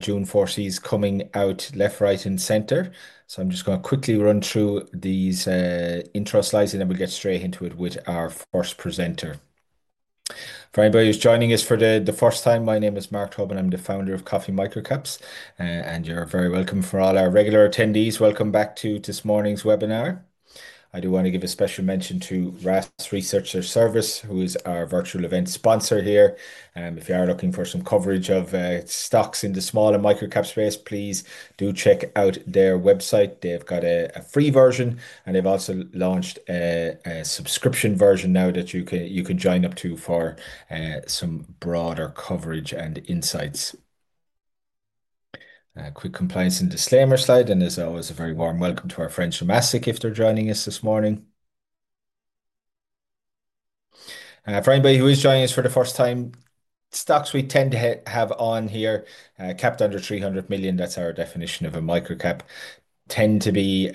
June 4 is coming out left, right, and center. I'm just going to quickly run through these intro slides, and then we'll get straight into it with our first presenter. For anybody who's joining us for the first time, my name is Mark Tobin. I'm the founder of Coffee Microcaps. You're very welcome. For all our regular attendees, welcome back to this morning's webinar. I do want to give a special mention to RaaS Research Service, who is our virtual event sponsor here. If you are looking for some coverage of stocks in the smaller micro cap space, please do check out their website. They've got a free version, and they've also launched a subscription version now that you can join up to for some broader coverage and insights. A quick compliance and disclaimer side, and as always, a very warm welcome to our friends from ASIC if they're joining us this morning. For anybody who is joining us for the first time, stocks we tend to have on here are capped under $300 million. That's our definition of a micro cap. Tend to be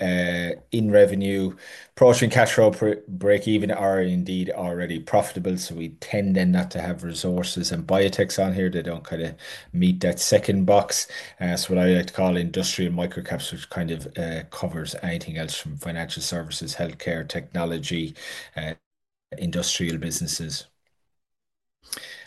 in revenue, approaching cash flow breakeven, or indeed already profitable. We tend not to have resources and biotechs on here. They don't kind of meet that second box. That's what I like to call industry micro caps, which kind of covers anything else from financial services, healthcare, technology, and industrial businesses.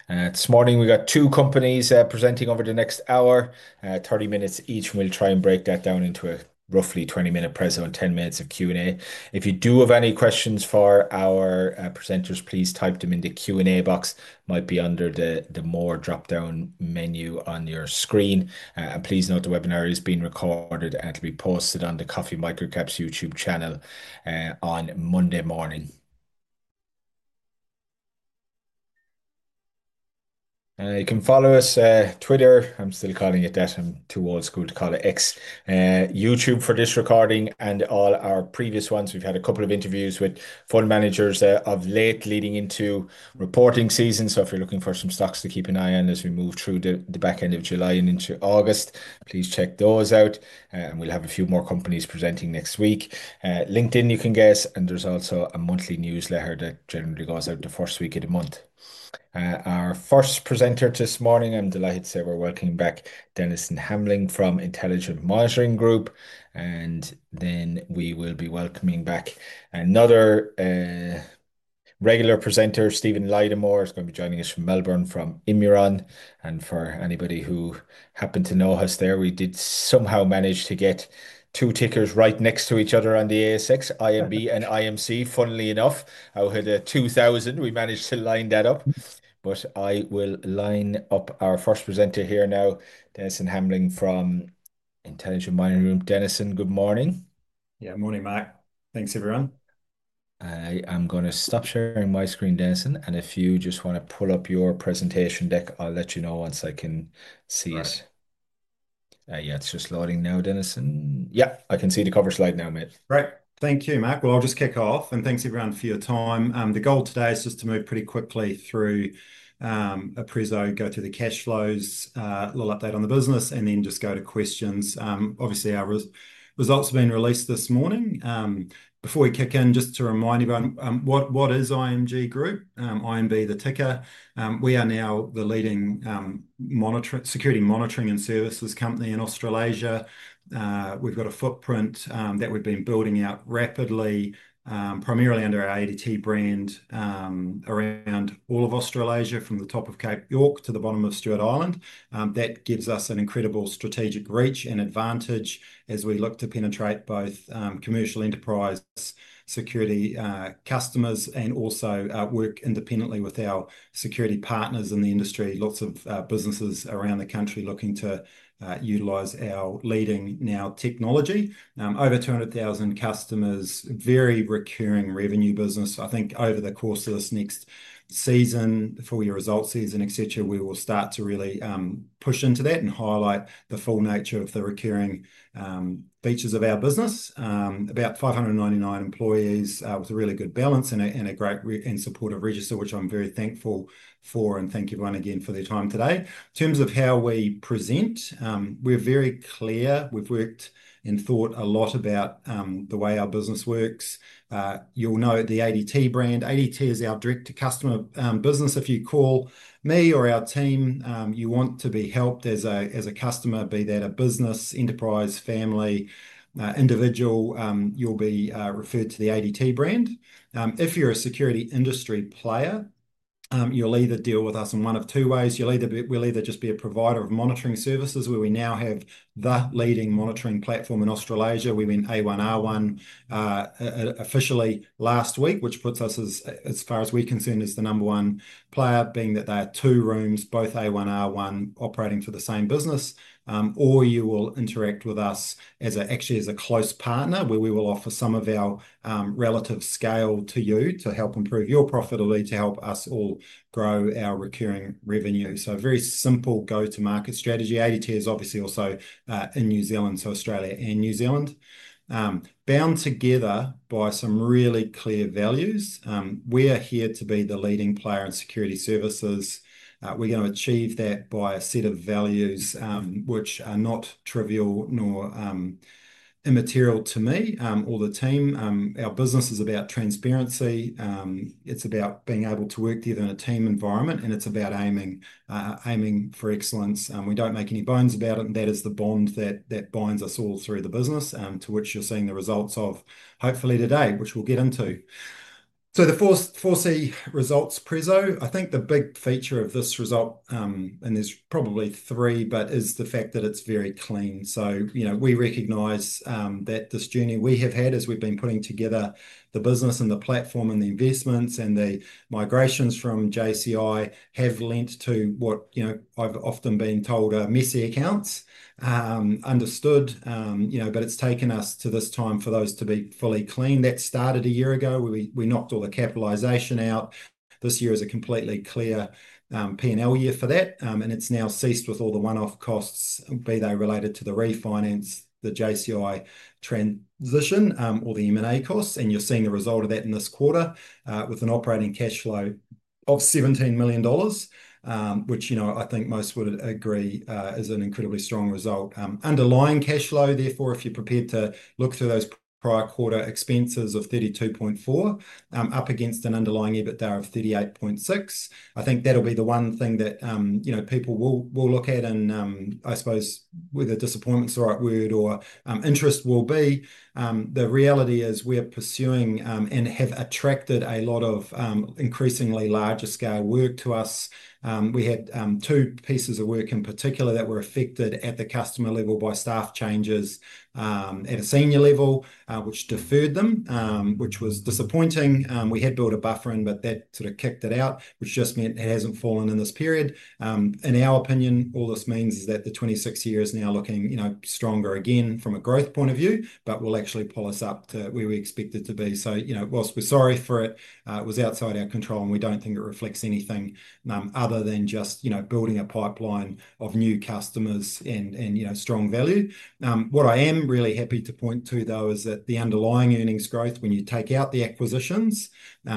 This morning, we've got two companies presenting over the next hour, 30 minutes each. We'll try and break that down into a roughly 20-minute present and 10 minutes of Q&A. If you do have any questions for our presenters, please type them in the Q&A box. It might be under the more drop-down menu on your screen. Please note the webinar is being recorded, and it'll be posted on the Coffee Microcaps YouTube channel on Monday morning. You can follow us on Twitter. I'm still calling it that. I'm too old school to call it X. YouTube for this recording and all our previous ones. We've had a couple of interviews with fund managers of late leading into reporting season. If you're looking for some stocks to keep an eye on as we move through the back end of July and into August, please check those out. We'll have a few more companies presenting next week. LinkedIn, you can guess, and there's also a monthly newsletter that generally goes out the first week of the month. Our first presenter this morning, I'm delighted to say we're welcoming back Dennison Hambling from Intelligent Monitoring Group. We will be welcoming back another regular presenter, Steven Lynam. He's going to be joining us from Melbourne from Immuron. For anybody who happened to notice, we did somehow manage to get two tickers right next to each other on the ASX, IMB and IMC. Funnily enough, out of 2,000, we managed to line that up. I will line up our first presenter here now, Dennison Hambling from Intelligent Monitoring Group. Dennison, good morning. Yeah, morning, Mark. Thanks, everyone. I am going to stop sharing my screen, Dennison. If you just want to pull up your presentation deck, I'll let you know once I can see it. Yeah, it's just loading now, Dennison. Yeah, I can see the cover slide now, mate. Right. Thank you, Mark. I'll just kick off. Thank you, everyone, for your time. The goal today is just to move pretty quickly through a pre-zone, go to the cash flows, a little update on the business, and then just go to questions. Obviously, our results have been released this morning. Before we kick in, just to remind everyone, what is Intelligent Monitoring Group? IMB, the ticker. We are now the leading security monitoring and services company in Australasia. We've got a footprint that we've been building out rapidly, primarily under our ADT brand around all of Australasia, from the top of Cape York to the bottom of Stewart Island. That gives us an incredible strategic reach and advantage as we look to penetrate both commercial enterprise security customers and also work independently with our security partners in the industry. Lots of businesses around the country looking to utilize our leading now technology. Over 200,000 customers, very recurring revenue business. I think over the course of this next season, the full year results season, etc., we will start to really push into that and highlight the full nature of the recurring features of our business. About 599 employees with a really good balance and a great and supportive register, which I'm very thankful for. Thank you, everyone, again for their time today. In terms of how we present, we're very clear. We've worked and thought a lot about the way our business works. You'll know the ADT brand. ADT is our direct-to-customer business. If you call me or our team, you want to be helped as a customer, be that a business, enterprise, family, individual, you'll be referred to the ADT brand. If you're a security industry player, you'll either deal with us in one of two ways. We'll either just be a provider of monitoring services, where we now have the leading monitoring platform in Australasia. We went A1R1 officially last week, which puts us, as far as we're concerned, as the number one player, being that there are two rooms, both A1R1 operating for the same business, or you will interact with us actually as a close partner, where we will offer some of our relative scale to you to help improve your profitability, to help us all grow our recurring revenue. A very simple go-to-market strategy. ADT is obviously also in New Zealand, so Australia and New Zealand. Bound together by some really clear values. We are here to be the leading player in security services. We're going to achieve that by a set of values which are not trivial nor immaterial to me or the team. Our business is about transparency. It's about being able to work together in a team environment, and it's about aiming for excellence. We don't make any bones about it, and that is the bond that binds us all through the business, to which you're seeing the results of, hopefully, today, which we'll get into. The 4C results Prezo. I think the big feature of this result, and there's probably three, is the fact that it's very clean. We recognize that this journey we have had, as we've been putting together the business and the platform and the investments and the migrations from JCI, have lent to what I've often been told are messy accounts, understood. It's taken us to this time for those to be fully clean. That started a year ago. We knocked all the capitalization out. This year is a completely clear P&L year for that. It's now ceased with all the one-off costs, be they related to the refinance, the JCI transition, or the M&A costs. You're seeing the result of that in this quarter with an operating cash flow of $17 million, which I think most would agree is an incredibly strong result. Underlying cash flow, therefore, if you're prepared to look through those prior quarter expenses of $32.4 million up against an underlying EBITDA of $38.6 million, I think that'll be the one thing that people will look at and I suppose whether disappointment is the right word or interest will be. The reality is we're pursuing and have attracted a lot of increasingly larger scale work to us. We had two pieces of work in particular that were affected at the customer level by staff changes at a senior level, which deferred them, which was disappointing. We had built a buffer in, but that sort of kicked it out, which just meant it hasn't fallen in this period. In our opinion, all this means is that the 2026 year is now looking stronger again from a growth point of view, but will actually pull us up to where we expect it to be. Whilst we're sorry for it, it was outside our control, and we don't think it reflects anything other than just building a pipeline of new customers and strong value. What I am really happy to point to, though, is that the underlying earnings growth, when you take out the acquisitions,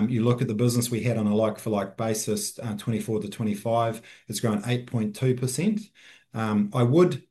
you look at the business we had on a like-for-like basis, 2024 to 2025, it's grown 8.2%. I would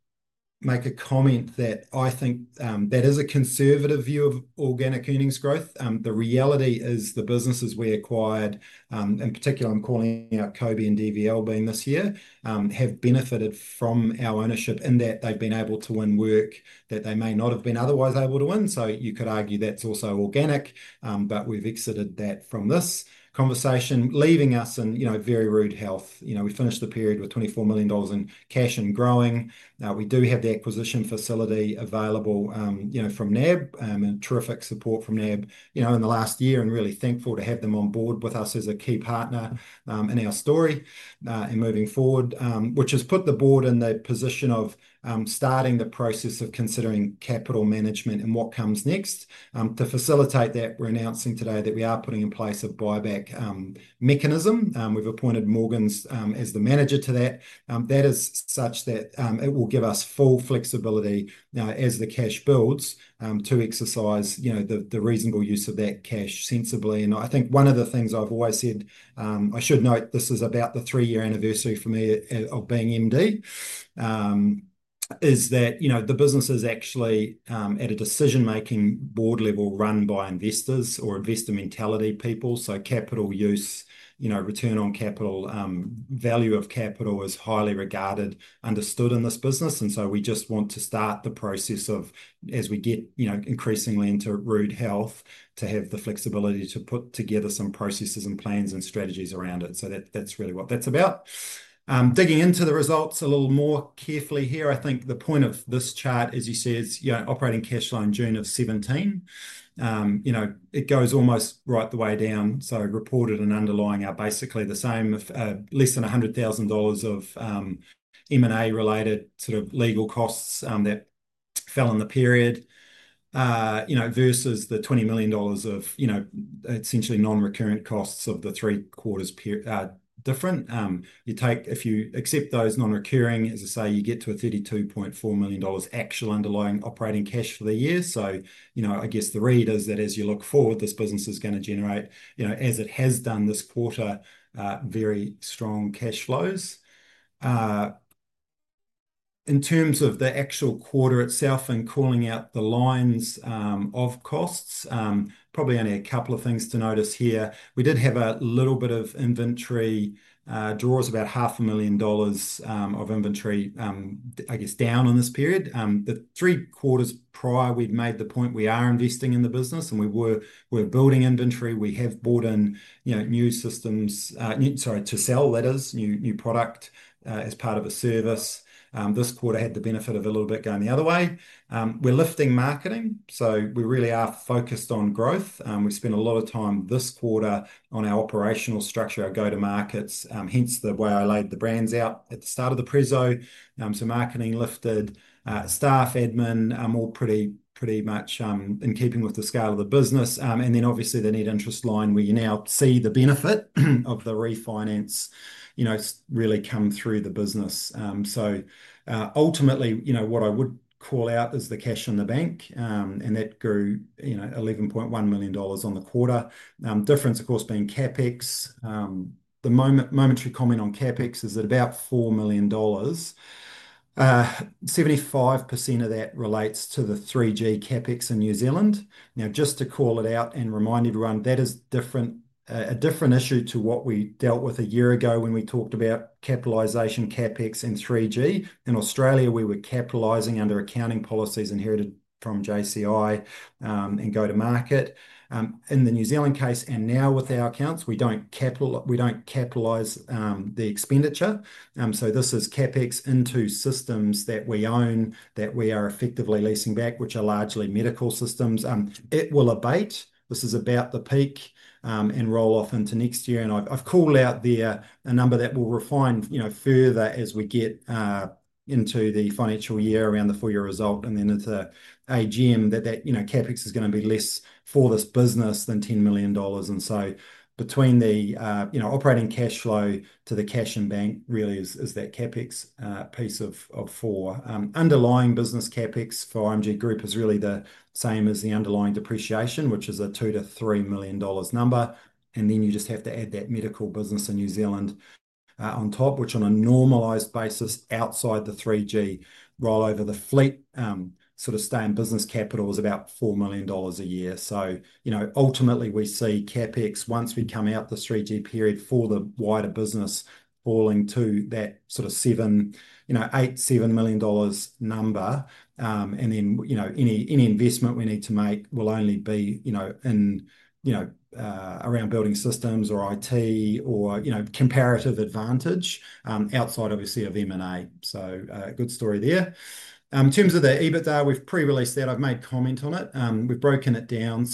make a comment that I think that is a conservative view of organic earnings growth. The reality is the businesses we acquired, in particular, I'm calling out Kobe and DVL being this year, have benefited from our ownership in that they've been able to win work that they may not have been otherwise able to win. You could argue that's also organic, but we've exited that from this conversation, leaving us in very rude health. We finished the period with $24 million in cash and growing. We do have the acquisition facility available from NAB and terrific support from NAB in the last year and really thankful to have them on board with us as a key partner in our story and moving forward, which has put the board in the position of starting the process of considering capital management and what comes next. To facilitate that, we're announcing today that we are putting in place a buyback mechanism. We've appointed Morgan Stanley as the manager to that. That is such that it will give us full flexibility as the cash builds to exercise the reasonable use of that cash sensibly. I think one of the things I've always said, I should note this is about the three-year anniversary for me of being MD, is that the business is actually at a decision-making board level run by investors or investor mentality people. Capital use, return on capital, value of capital is highly regarded, understood in this business. We just want to start the process of, as we get increasingly into rude health, to have the flexibility to put together some processes and plans and strategies around it. That's really what that's about. Digging into the results a little more carefully here, I think the point of this chart, as you said, is operating cash flow in June of 2017. It goes almost right the way down. Reported and underlying are basically the same, less than $100,000 of M&A related sort of legal costs that fell in the period versus the $20 million of essentially non-recurring costs of the three quarters difference. If you accept those non-recurring, as I say, you get to a $32.4 million actual underlying operating cash for the year. I guess the read is that as you look forward, this business is going to generate, as it has done this quarter, very strong cash flows. In terms of the actual quarter itself and calling out the lines of costs, probably only a couple of things to notice here. We did have a little bit of inventory draws, about $0.5 million of inventory, I guess, down in this period. The three quarters prior, we'd made the point we are investing in the business and we were building inventory. We have bought in new systems, sorry, to sell letters, new product as part of a service. This quarter had the benefit of a little bit going the other way. We're lifting marketing. We really are focused on growth. We've spent a lot of time this quarter on our operational structure, our go-to-markets, hence the way I laid the brands out at the start of the prezo. Marketing lifted, staff, admin, all pretty much in keeping with the scale of the business. Obviously, the net interest line where you now see the benefit of the refinance really come through the business. Ultimately, you know what I would call out is the cash in the bank. That grew $11.1 million on the quarter. Difference, of course, being CapEx. The momentary comment on CapEx is at about $4 million. 75% of that relates to the 3G CapEx in New Zealand. Just to call it out and remind everyone, that is a different issue to what we dealt with a year ago when we talked about capitalization, CapEx, and 3G. In Australia, we were capitalizing under accounting policies inherited from JCI and go-to-market. In the New Zealand case, and now with our accounts, we don't capitalize the expenditure. This is CapEx into systems that we own, that we are effectively leasing back, which are largely medical systems. It will abate. This is about the peak and roll off into next year. I've called out there a number that will refine further as we get into the financial year around the full year result. It's an AGM that that CapEx is going to be less for this business than $10 million. Between the operating cash flow to the cash in bank really is that CapEx piece of four. Underlying business CapEx for Intelligent Monitoring Group is really the same as the underlying depreciation, which is a $2 million-$3 million number. You just have to add that medical business in New Zealand on top, which on a normalized basis outside the 3G rollover, the fleet sort of stay in business capital is about $4 million a year. Ultimately, we see CapEx once we come out the 3G period for the wider business falling to that sort of $7, $8, $7 million number. Any investment we need to make will only be in around building systems or IT or comparative advantage outside, obviously, of M&A. Good story there. In terms of the EBITDA, we've pre-released that. I've made comment on it. We've broken it down.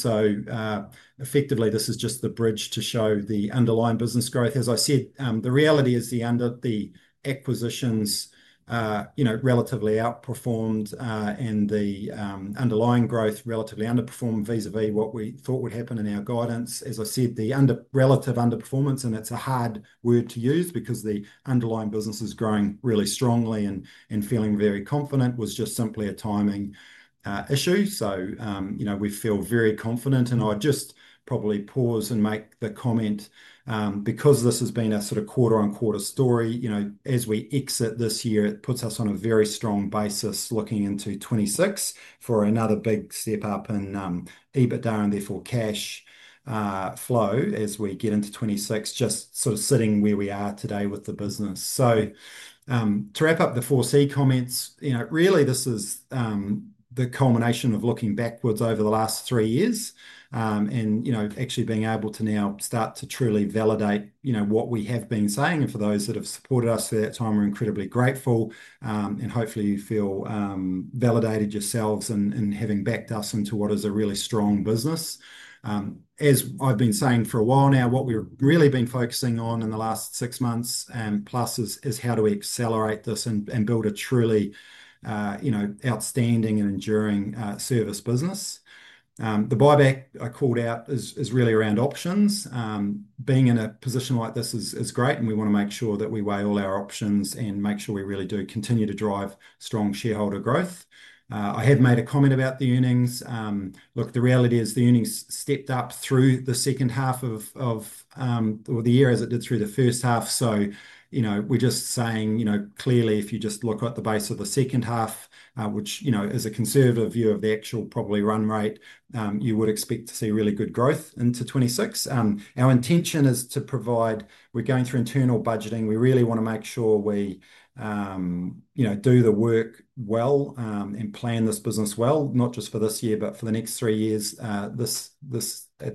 Effectively, this is just the bridge to show the underlying business growth. As I said, the reality is the acquisitions relatively outperformed and the underlying growth relatively underperformed vis-à-vis what we thought would happen in our guidance. The relative underperformance, and it's a hard word to use because the underlying business is growing really strongly and feeling very confident, was just simply a timing issue. We feel very confident. I'd just probably pause and make the comment because this has been a sort of quarter-on-quarter story. As we exit this year, it puts us on a very strong basis looking into 2026 for another big step up in EBITDA and therefore cash flow as we get into 2026, just sort of sitting where we are today with the business. To wrap up the 4C comments, this is the culmination of looking backwards over the last three years and actually being able to now start to truly validate what we have been saying. For those that have supported us for that time, we're incredibly grateful and hopefully you feel validated yourselves and having backed us into what is a really strong business. As I've been saying for a while now, what we've really been focusing on in the last six months and plus is how do we accelerate this and build a truly outstanding and enduring service business. The buyback I called out is really around options. Being in a position like this is great and we want to make sure that we weigh all our options and make sure we really do continue to drive strong shareholder growth. I had made a comment about the earnings. The reality is the earnings stepped up through the second half of the year as it did through the first half. We're just saying clearly if you just look at the base of the second half, which is a conservative view of the actual probably run rate, you would expect to see really good growth into 2026. Our intention is to provide, we're going through internal budgeting, we really want to make sure we do the work well and plan this business well, not just for this year, but for the next three years at this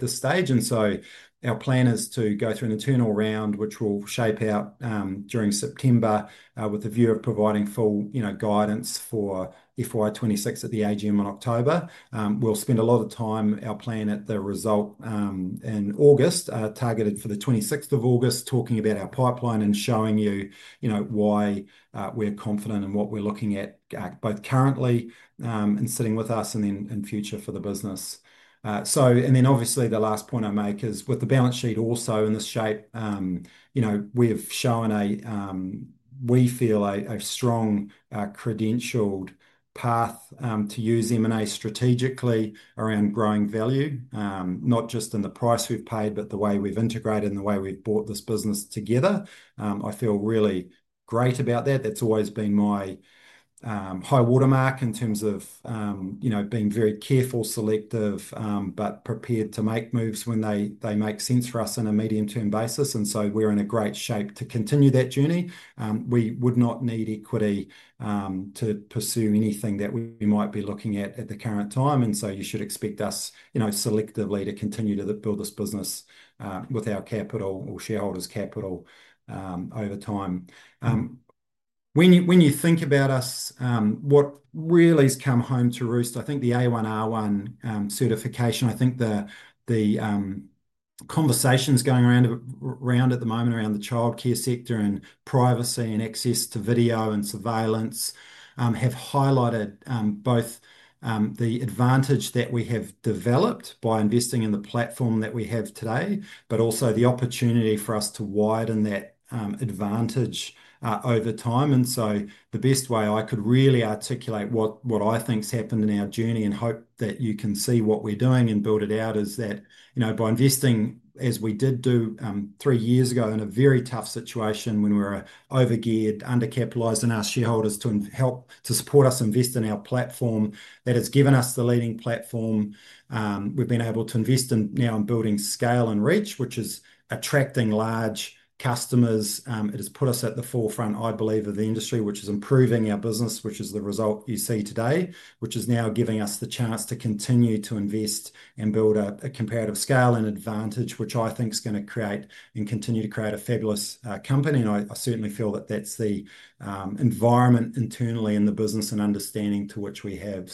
stage. Our plan is to go through an internal round, which we'll shape out during September with a view of providing full guidance for FY 2026 at the AGM in October. We'll spend a lot of time, our plan at the result in August, targeted for the 26th of August, talking about our pipeline and showing you why we're confident and what we're looking at both currently and sitting with us and then in future for the business. The last point I make is with the balance sheet also in this shape, we've shown a, we feel a strong credentialed path to use M&A strategically around growing value, not just in the price we've paid, but the way we've integrated and the way we've brought this business together. I feel really great about that. That's always been my high watermark in terms of being very careful, selective, but prepared to make moves when they make sense for us on a medium-term basis. We're in a great shape to continue that journey. We would not need equity to pursue anything that we might be looking at at the current time. You should expect us selectively to continue to build this business with our capital or shareholders' capital over time. When you think about us, what really has come home to roost, I think the A1R1 certification, I think the conversations going around at the moment around the childcare sector and privacy and access to video and surveillance have highlighted both the advantage that we have developed by investing in the platform that we have today, but also the opportunity for us to widen that advantage over time. The best way I could really articulate what I think's happened in our journey and hope that you can see what we're doing and build it out is that by investing, as we did do three years ago in a very tough situation when we were over-geared, under-capitalized and asked shareholders to help to support us invest in our platform that has given us the leading platform. We've been able to invest in now in building scale and reach, which is attracting large customers. It has put us at the forefront, I believe, of the industry, which is improving our business, which is the result you see today, which is now giving us the chance to continue to invest and build a comparative scale and advantage, which I think is going to create and continue to create a fabulous company. I certainly feel that that's the environment internally in the business and understanding to which we have.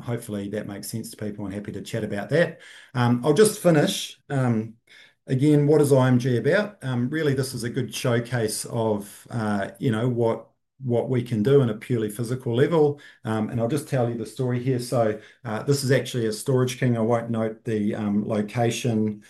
Hopefully that makes sense to people and happy to chat about that. I'll just finish. Again, what is IMG about? Really, this is a good showcase of what we can do on a purely physical level. I'll just tell you the story here. This is actually a Storage King. I won't note the location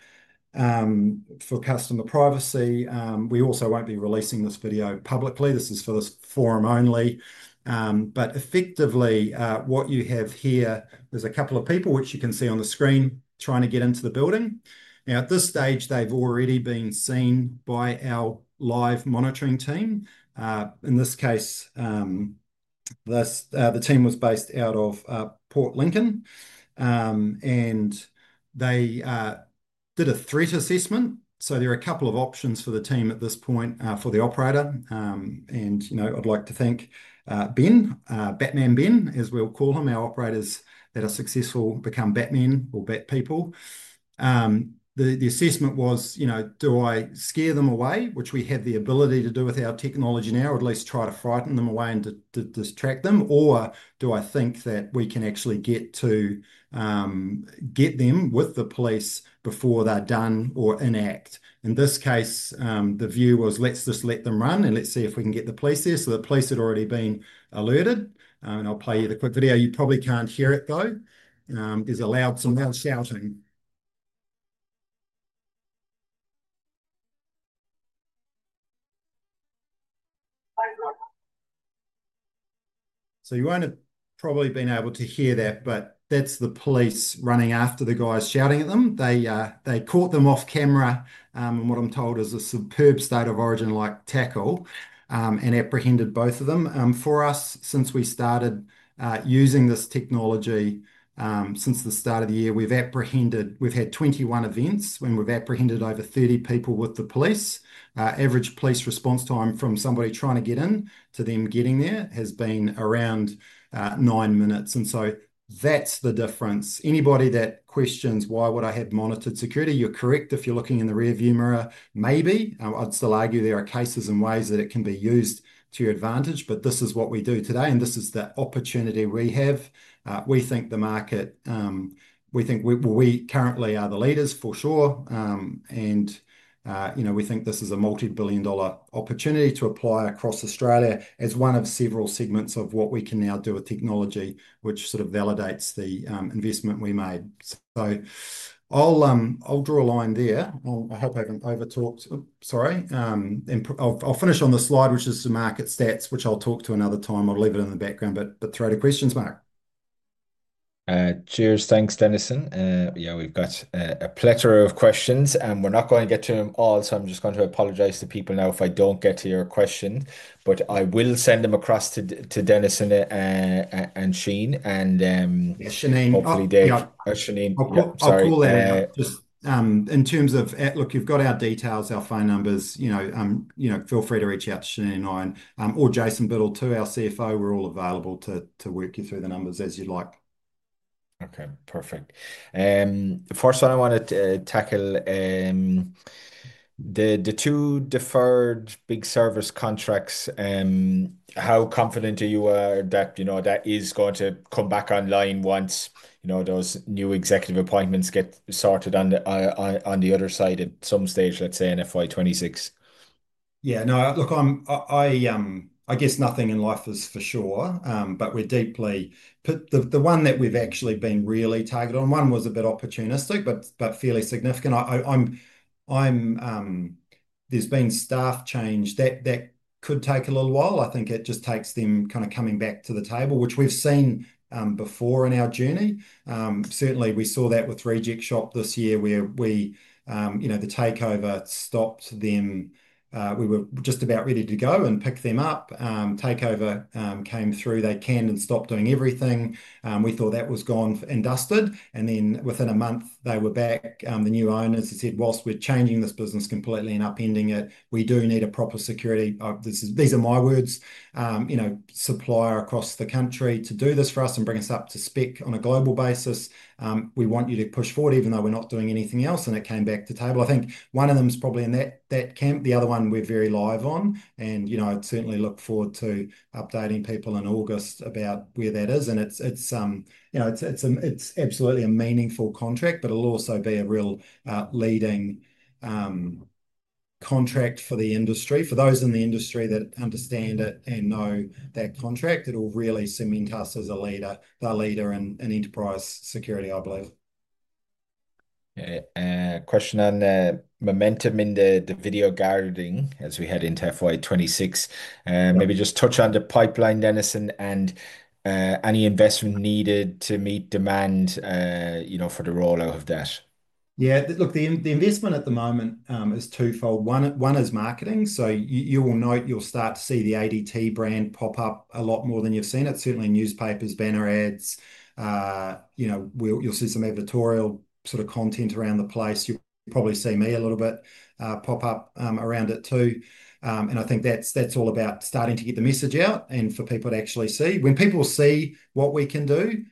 for customer privacy. We also won't be releasing this video publicly. This is for this forum only. Effectively, what you have here, there's a couple of people, which you can see on the screen, trying to get into the building. At this stage, they've already been seen by our live monitoring team. In this case, the team was based out of Port Lincoln. They did a threat assessment. There are a couple of options for the team at this point for the operator. I'd like to thank Ben, Batman Ben, as we'll call him. Our operators that are successful become Batman or Bat people. The assessment was, do I scare them away, which we have the ability to do with our technology now, or at least try to frighten them away and distract them, or do I think that we can actually get to get them with the police before they're done or enact? In this case, the view was let's just let them run and let's see if we can get the police there. The police had already been alerted. I'll play you the quick video. You probably can't hear it, though. It's allowed some loud shouting. You won't have probably been able to hear that, but that's the police running after the guys shouting at them. They caught them off camera. What I'm told is a suburb state of origin like tackle and apprehended both of them. For us, since we started using this technology, since the start of the year, we've apprehended. We've had 21 events when we've apprehended over 30 people with the police. Average police response time from somebody trying to get in to them getting there has been around nine minutes. That's the difference. Anybody that questions why would I have monitored security, you're correct. If you're looking in the rearview mirror, maybe. I'd still argue there are cases and ways that it can be used to your advantage. This is what we do today. This is the opportunity we have. We think the market, we think we currently are the leaders for sure. We think this is a multi-billion dollar opportunity to apply across Australia as one of several segments of what we can now do with technology, which sort of validates the investment we made. I'll draw a line there. I hope I haven't overtalked. Sorry. I'll finish on the slide, which is the market stats, which I'll talk to another time. I'll leave it in the background. Throw any questions, Mark. Cheers. Thanks, Dennison. Yeah, we've got a plethora of questions. We're not going to get to them all. I just want to apologize to people now if I don't get to your question. I will send them across to Dennison and Shane. Hopefully. I'll call that out. Just in terms of, look, you've got our details, our phone numbers. Feel free to reach out to Shane and I or Jason Biddell, our CFO. We're all available to work you through the numbers as you'd like. Okay, perfect. First, I want to tackle the two deferred big service contracts. How confident are you that you know that is going to come back online once you know those new executive appointments get started on the other side at some stage, let's say in FY 2026? Yeah, no, look, I guess nothing in life is for sure. We're deeply the one that we've actually been really targeted on. One was a bit opportunistic, but fairly significant. There's been staff change that could take a little while. I think it just takes them kind of coming back to the table, which we've seen before in our journey. Certainly, we saw that with Regic Shop this year where the takeover stopped them. We were just about ready to go and pick them up. Takeover came through. They canned and stopped doing everything. We thought that was gone and dusted. Within a month, they were back. The new owners said, whilst we're changing this business completely and upending it, we do need a proper security supplier across the country to do this for us and bring us up to spec on a global basis. We want you to push forward even though we're not doing anything else. It came back to table. I think one of them is probably in that camp. The other one we're very live on. I'd certainly look forward to updating people in August about where that is. It's absolutely a meaningful contract, but it'll also be a real leading contract for the industry. For those in the industry that understand it and know that contract, it'll really cement us as a leader, the leader in enterprise security, I believe. Question on momentum in the video guarding services as we had in FY 2026. Maybe just touch on the pipeline, Dennison, and any investment needed to meet demand for the rollout of that. Yeah, look, the investment at the moment is twofold. One is marketing. You will note you'll start to see the ADT brand pop up a lot more than you've seen it. Certainly in newspapers, banner ads, you'll see some editorial sort of content around the place. You'll probably see me a little bit pop up around it too. I think that's all about starting to get the message out and for people to actually see. When people see what we can do,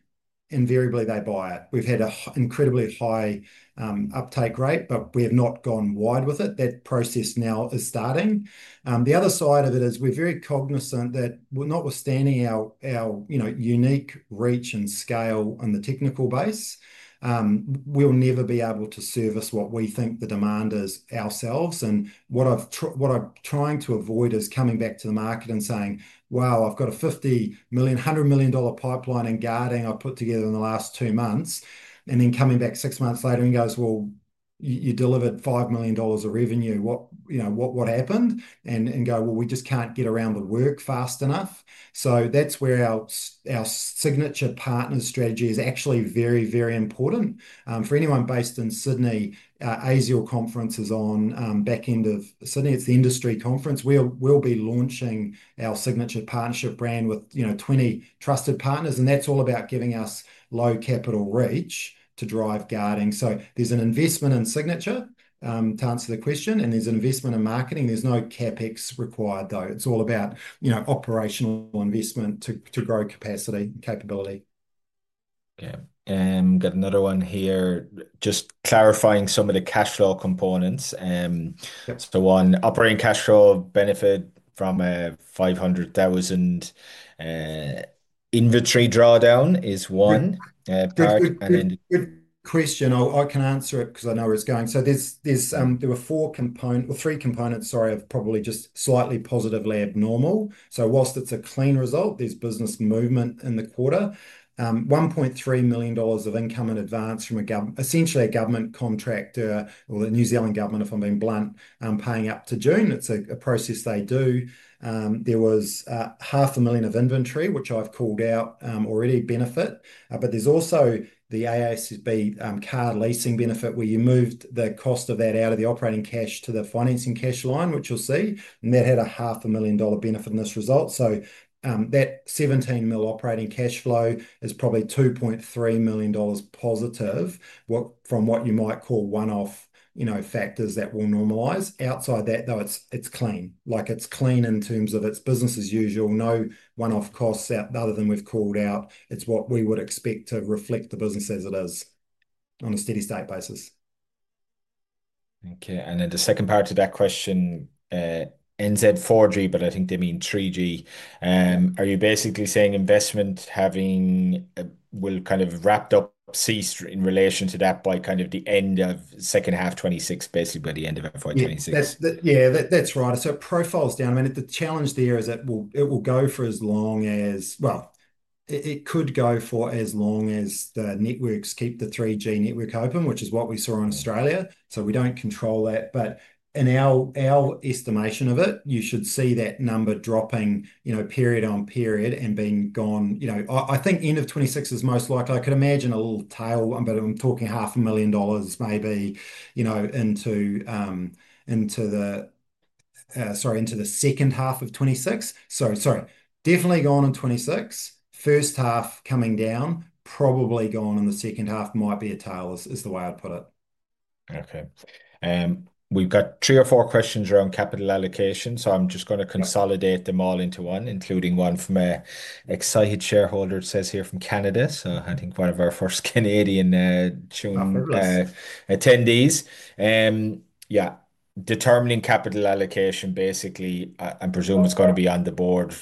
invariably they buy it. We've had an incredibly high uptake rate, but we have not gone wide with it. That process now is starting. The other side of it is we're very cognizant that notwithstanding our unique reach and scale on the technical base, we'll never be able to service what we think the demand is ourselves. What I'm trying to avoid is coming back to the market and saying, wow, I've got a $50 million, $100 million pipeline in guarding I've put together in the last two months, and then coming back six months later and go, well, you delivered $5 million of revenue. What happened? Go, well, we just can't get around the work fast enough. That's where our signature partner strategy is actually very, very important. For anyone based in Sydney, Azure Conference is on back end of Sydney. It's the industry conference. We'll be launching our signature partnership brand with 20 trusted partners. That's all about giving us low capital reach to drive guarding. There's an investment in signature, to answer the question, and there's an investment in marketing. There's no CapEx required, though. It's all about operational investment to grow capacity and capability. Okay. I've got another one here, just clarifying some of the cash flow components. Operating cash flow benefit from a $500,000 inventory drawdown is one. Good question. I can answer it because I know where it's going. There were four components, three components, sorry, of probably just slightly positively abnormal. Whilst it's a clean result, there's business movement in the quarter. $1.3 million of income in advance from a government, essentially a government contractor, or the New Zealand government, if I'm being blunt, paying up to June. It's a process they do. There was $0.5 million of inventory, which I've called out already, benefit. There's also the AASB card leasing benefit where you moved the cost of that out of the operating cash to the financing cash line, which you'll see. That had a $0.5 million benefit in this result. That $17 million operating cash flow is probably $2.3 million positive from what you might call one-off factors that will normalize. Outside that, though, it's clean. It's clean in terms of its business as usual. No one-off costs other than we've called out. It's what we would expect to reflect the business as it is on a steady state basis. Okay. The second part to that question, NZ4G, but I think they mean 3G. Are you basically saying investment having kind of wrapped up ceased in relation to that by kind of the end of second half 2026, basically by the end of FY 2026? Yeah, that's right. Profiles down. The challenge there is that it will go for as long as, well, it could go for as long as the networks keep the 3G network open, which is what we saw in Australia. We don't control that. In our estimation of it, you should see that number dropping period on period and being gone. I think end of 2026 is most likely. I could imagine a little tail, but I'm talking $0.5 million maybe into the, sorry, into the second half of 2026. Definitely gone in 2026. First half coming down, probably gone in the second half, might be a tail is the way I'd put it. Okay. We've got three or four questions around capital allocation. I'm just going to consolidate them all into one, including one from an excited shareholder, it says here, from Canada. I think one of our first Canadian attendees. Yeah, determining capital allocation, basically, I presume it's going to be on the board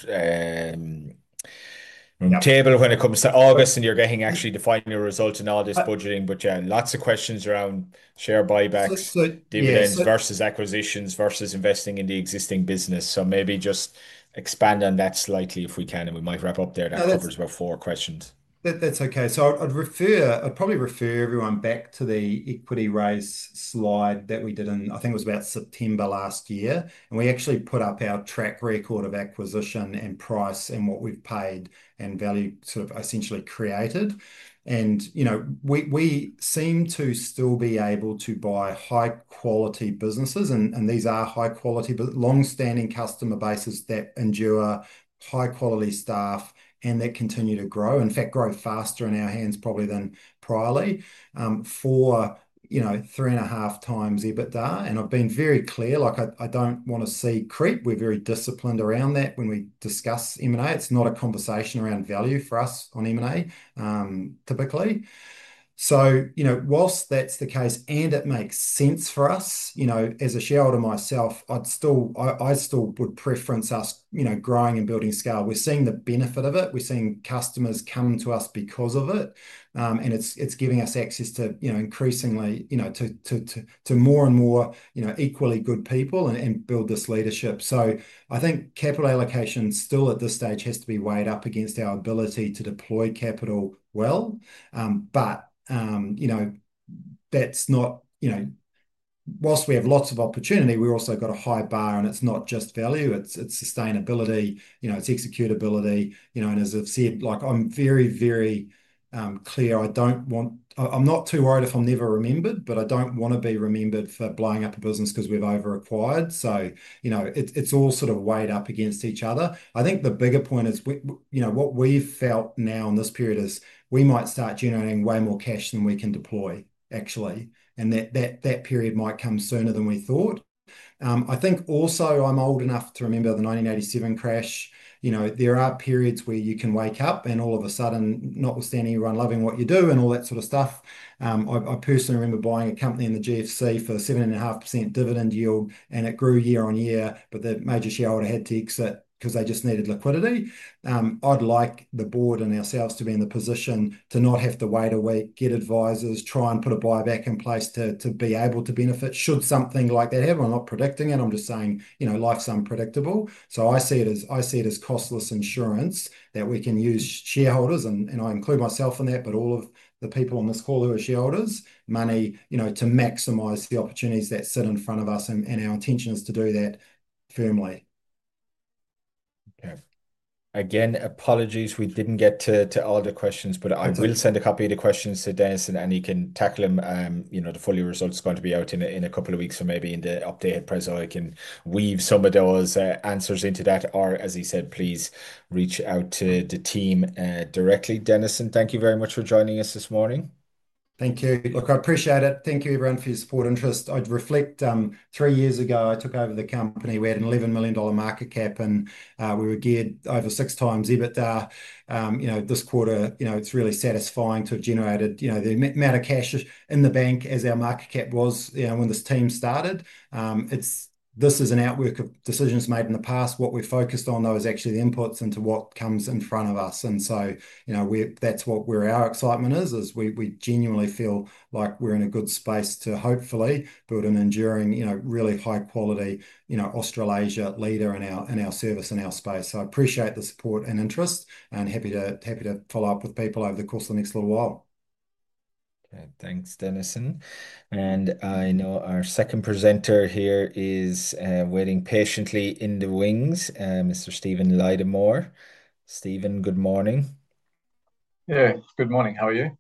table when it comes to August. You're getting actually the final results in August, budgeting, but lots of questions around share buybacks, dividends versus acquisitions versus investing in the existing business. Maybe just expand on that slightly if we can. We might wrap up there. That covers about four questions. That's okay. I'd probably refer everyone back to the equity raise slide that we did in, I think it was about September last year. We actually put up our track record of acquisition and price and what we've paid and value essentially created. We seem to still be able to buy high-quality businesses. These are high-quality, but long-standing customer bases that endure, high-quality staff that continue to grow. In fact, grow faster in our hands probably than priorly, for, you know, three and a half times EBITDA. I've been very clear, I don't want to see creep. We're very disciplined around that when we discuss M&A. It's not a conversation around value for us on M&A, typically. Whilst that's the case and it makes sense for us, as a shareholder myself, I still would preference us growing and building scale. We're seeing the benefit of it. We're seeing customers come to us because of it, and it's giving us access to, increasingly, more and more equally good people and build this leadership. I think capital allocation still at this stage has to be weighed up against our ability to deploy capital well. That's not, whilst we have lots of opportunity, we've also got a high bar and it's not just value. It's sustainability, it's executability. As I've said, I'm very, very clear. I'm not too worried if I'm never remembered, but I don't want to be remembered for blowing up a business because we've over-acquired. It's all sort of weighed up against each other. I think the bigger point is, what we've felt now in this period is we might start generating way more cash than we can deploy, actually. That period might come sooner than we thought. I think also I'm old enough to remember the 1987 crash. There are periods where you can wake up and all of a sudden, notwithstanding you run loving what you do and all that sort of stuff. I personally remember buying a company in the GFC for a 7.5% dividend yield and it grew year on year, but the major shareholder had to exit because they just needed liquidity. I'd like the board and ourselves to be in the position to not have to wait a week, get advisors, try and put a buyback in place to be able to benefit. Should something like that happen, I'm not predicting it. I'm just saying, you know, life's unpredictable. I see it as costless insurance that we can use as shareholders, and I include myself in that, all of the people on this call who are shareholders, money, you know, to maximize the opportunities that sit in front of us, and our intention is to do that firmly. Again, apologies. We didn't get to all the questions, but I will send a copy of the questions to Dennison Hambling, and he can tackle them. You know, the full year result is going to be out in a couple of weeks, so maybe in the updated present, I can weave some of those answers into that. As he said, please reach out to the team directly. Dennison, thank you very much for joining us this morning. Thank you. I appreciate it. Thank you, everyone, for your support and trust. I'd reflect, three years ago, I took over the company. We had an $11 million market cap, and we were geared over six times EBITDA. This quarter, it's really satisfying to have generated the amount of cash in the bank as our market cap was when this team started. This is an outwork of decisions made in the past. What we're focused on is actually the inputs into what comes in front of us. That's what our excitement is, we genuinely feel like we're in a good space to hopefully build an enduring, really high-quality Australasia leader in our service and our space. I appreciate the support and interest, and happy to follow up with people over the course of the next little while. Thanks, Dennison. I know our second presenter here is waiting patiently in the wings, Mr. Steven Lydeamore. Steven, good morning. Yeah, good morning. How are you?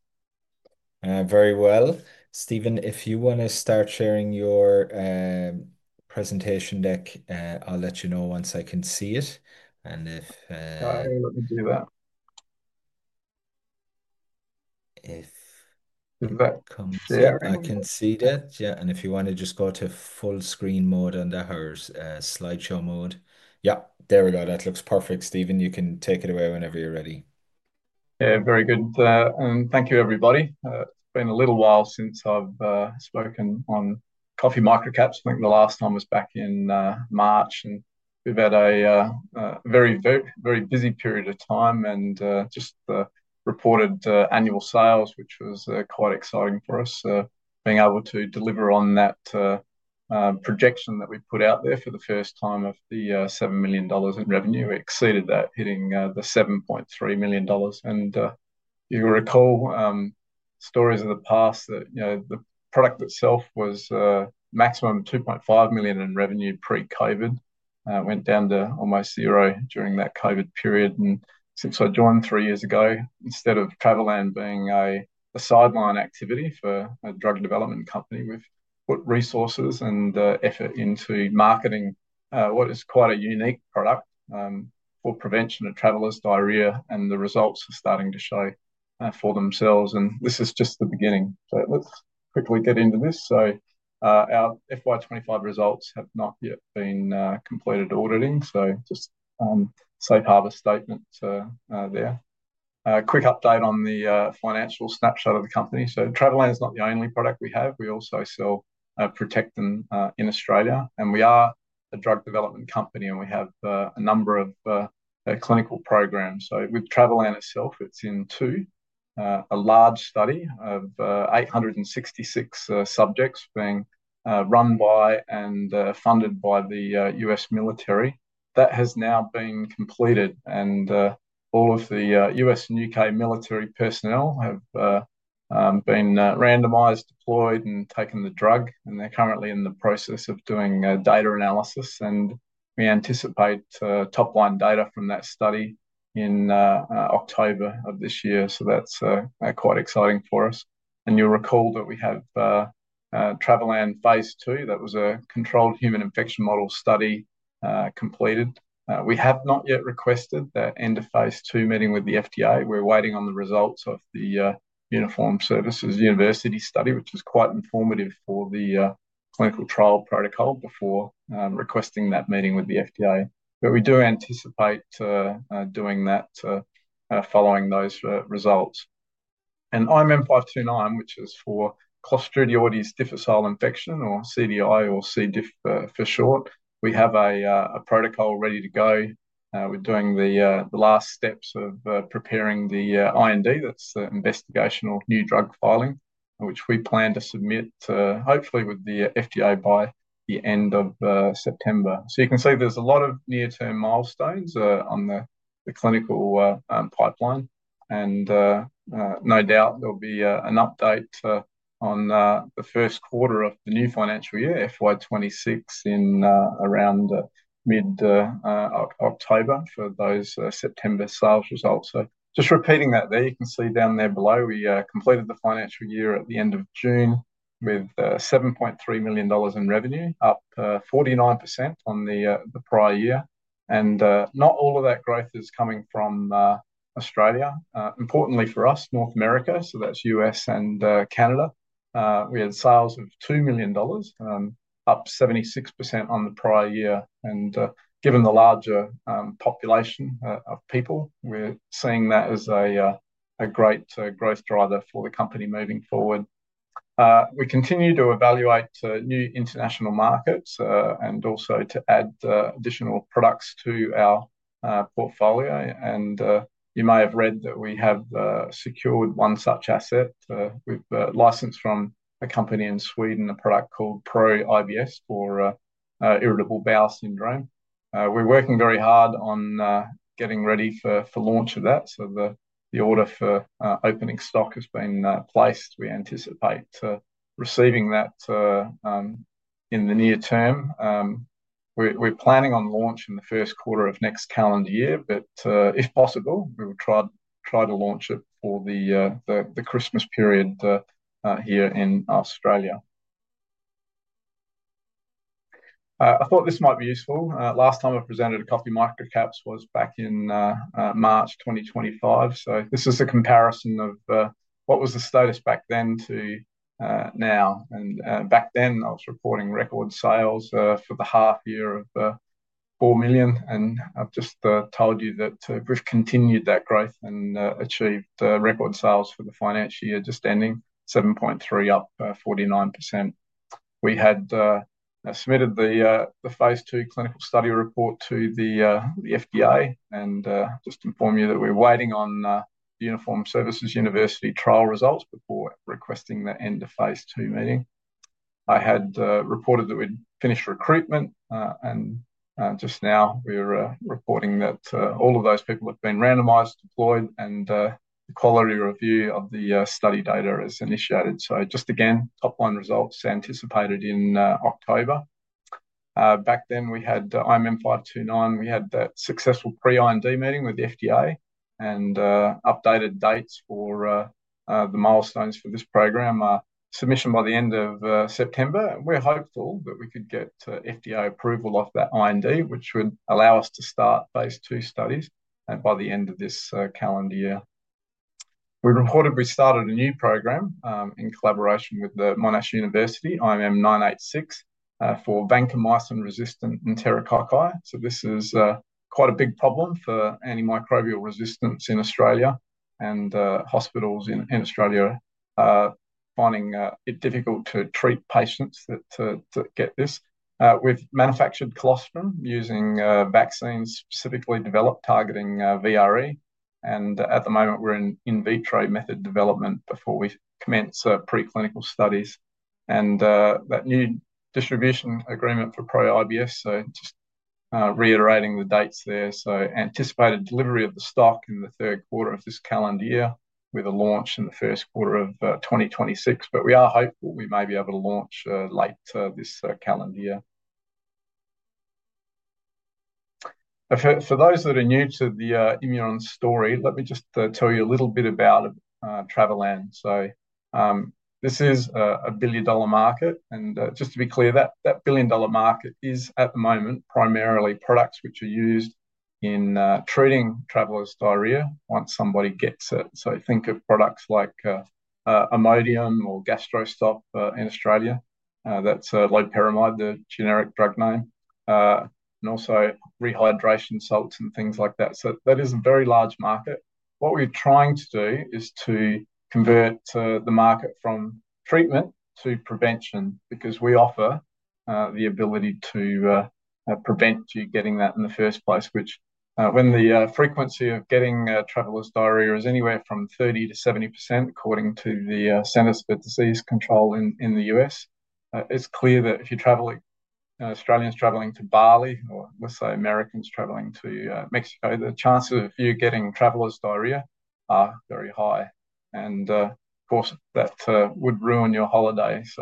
Very well. Steven, if you want to start sharing your presentation deck, I'll let you know once I can see it. Let me do that. If that comes, I can see that. If you want to just go to full screen mode on the hers, slideshow mode. There we go. That looks perfect, Steven. You can take it away whenever you're ready. Yeah, very good. Thank you, everybody. It's been a little while since I've spoken on Coffee Microcaps. I think the last time was back in March. We've had a very, very busy period of time and just reported annual sales, which was quite exciting for us, being able to deliver on that projection that we put out there for the first time of the $7 million in revenue. We exceeded that, hitting the $7.3 million. If you recall stories in the past, the product itself was maximum $2.5 million in revenue pre-COVID. It went down to almost $0 during that COVID period. Since I joined three years ago, instead of Travelan being a sideline activity for a drug development company, we've put resources and effort into marketing what is quite a unique product for prevention of travelers' diarrhea. The results are starting to show for themselves. This is just the beginning. Let's quickly get into this. Our FY 2025 results have not yet been completed auditing. Just a safe harbor statement there. A quick update on the financial snapshot of the company. Travelan is not the only product we have. We also sell Protectin in Australia. We are a drug development company, and we have a number of clinical programs. With Travelan itself, it's in two, a large study of 866 subjects being run by and funded by the U.S. military. That has now been completed. All of the U.S. and UK military personnel have been randomized, deployed, and taken the drug. They're currently in the process of doing data analysis. We anticipate top line data from that study in October of this year. That's quite exciting for us. You'll recall that we have Travelan Phase Two. That was a controlled human infection model study completed. We have not yet requested the end of Phase Two meeting with the FDA. We're waiting on the results of the Uniformed Services University study, which is quite informative for the clinical trial protocol before requesting that meeting with the FDA. We do anticipate doing that following those results. IMM529, which is for Clostridioides difficile infection, or CDI or CDIF for short, we have a protocol ready to go. We're doing the last steps of preparing the IND. That's the investigational new drug filing, which we plan to submit hopefully with the FDA by the end of September. You can see there's a lot of near-term milestones on the clinical pipeline. There'll be an update on the first quarter of the new financial year, FY 2026, in around mid-October for those September sales results. Just repeating that there, you can see down there below we completed the financial year at the end of June with $7.3 million in revenue, up 49% on the prior year. Not all of that growth is coming from Australia. Importantly for us, North America, so that's U.S. and Canada, we had sales of $2 million, up 76% on the prior year. Given the larger population of people, we're seeing that as a great growth driver for the company moving forward. We continue to evaluate new international markets and also to add additional products to our portfolio. You may have read that we have secured one such asset with a license from a company in Sweden, a product called Pro-IBS for irritable bowel syndrome. We're working very hard on getting ready for launch of that. The order for opening stock has been placed. We anticipate receiving that in the near term. We're planning on launching the first quarter of next calendar year. If possible, we will try to launch it for the Christmas period here in Australia. I thought this might be useful. Last time I presented at Coffee Microcaps was back in March 2025. This is a comparison of what was the status back then to now. Back then, I was reporting record sales for the half year of $4 million. I've just told you that we've continued that growth and achieved record sales for the financial year just ending, $7.3 million, up 49%. We had submitted the Phase Two clinical study report to the FDA. I'll just inform you that we're waiting on the Uniformed Services University trial results before requesting the end of Phase Two meeting. I had reported that we'd finished recruitment. Just now, we're reporting that all of those people have been randomized, deployed, and the quality review of the study data is initiated. Top line results are anticipated in October. Back then, we had IMM529. We had that successful pre-IND meeting with the FDA. Updated dates for the milestones for this program are submission by the end of September. We're hopeful that we could get FDA approval of that IND, which would allow us to start Phase Two studies by the end of this calendar year. We reported we started a new program in collaboration with Monash University, IMM986, for vancomycin-resistant enterococci. This is quite a big problem for antimicrobial resistance in Australia. Hospitals in Australia are finding it difficult to treat patients to get this. We've manufactured colostrum using vaccines specifically developed targeting VRE. At the moment, we're in in vitro method development before we commence preclinical studies. That new distribution agreement for Pro-IBS, just reiterating the dates there, anticipated delivery of the stock in the third quarter of this calendar year with a launch in the first quarter of 2026. We are hopeful we may be able to launch late this calendar year. For those that are new to the Immuron story, let me just tell you a little bit about Travelan. This is a billion-dollar market. Just to be clear, that billion-dollar market is at the moment primarily products which are used in treating travelers' diarrhea once somebody gets it. Think of products like Imodium or Gastrostop in Australia. That's Loperamide, the generic drug name, and also rehydration salts and things like that. That is a very large market. What we're trying to do is to convert the market from treatment to prevention because we offer the ability to prevent you getting that in the first place, which when the frequency of getting travelers' diarrhea is anywhere from 30% to 70% according to the Centers for Disease Control in the U.S., it's clear that if you're traveling, an Australian is traveling to Bali or let's say Americans traveling to Mexico, the chances of you getting travelers' diarrhea are very high. That would ruin your holiday. It's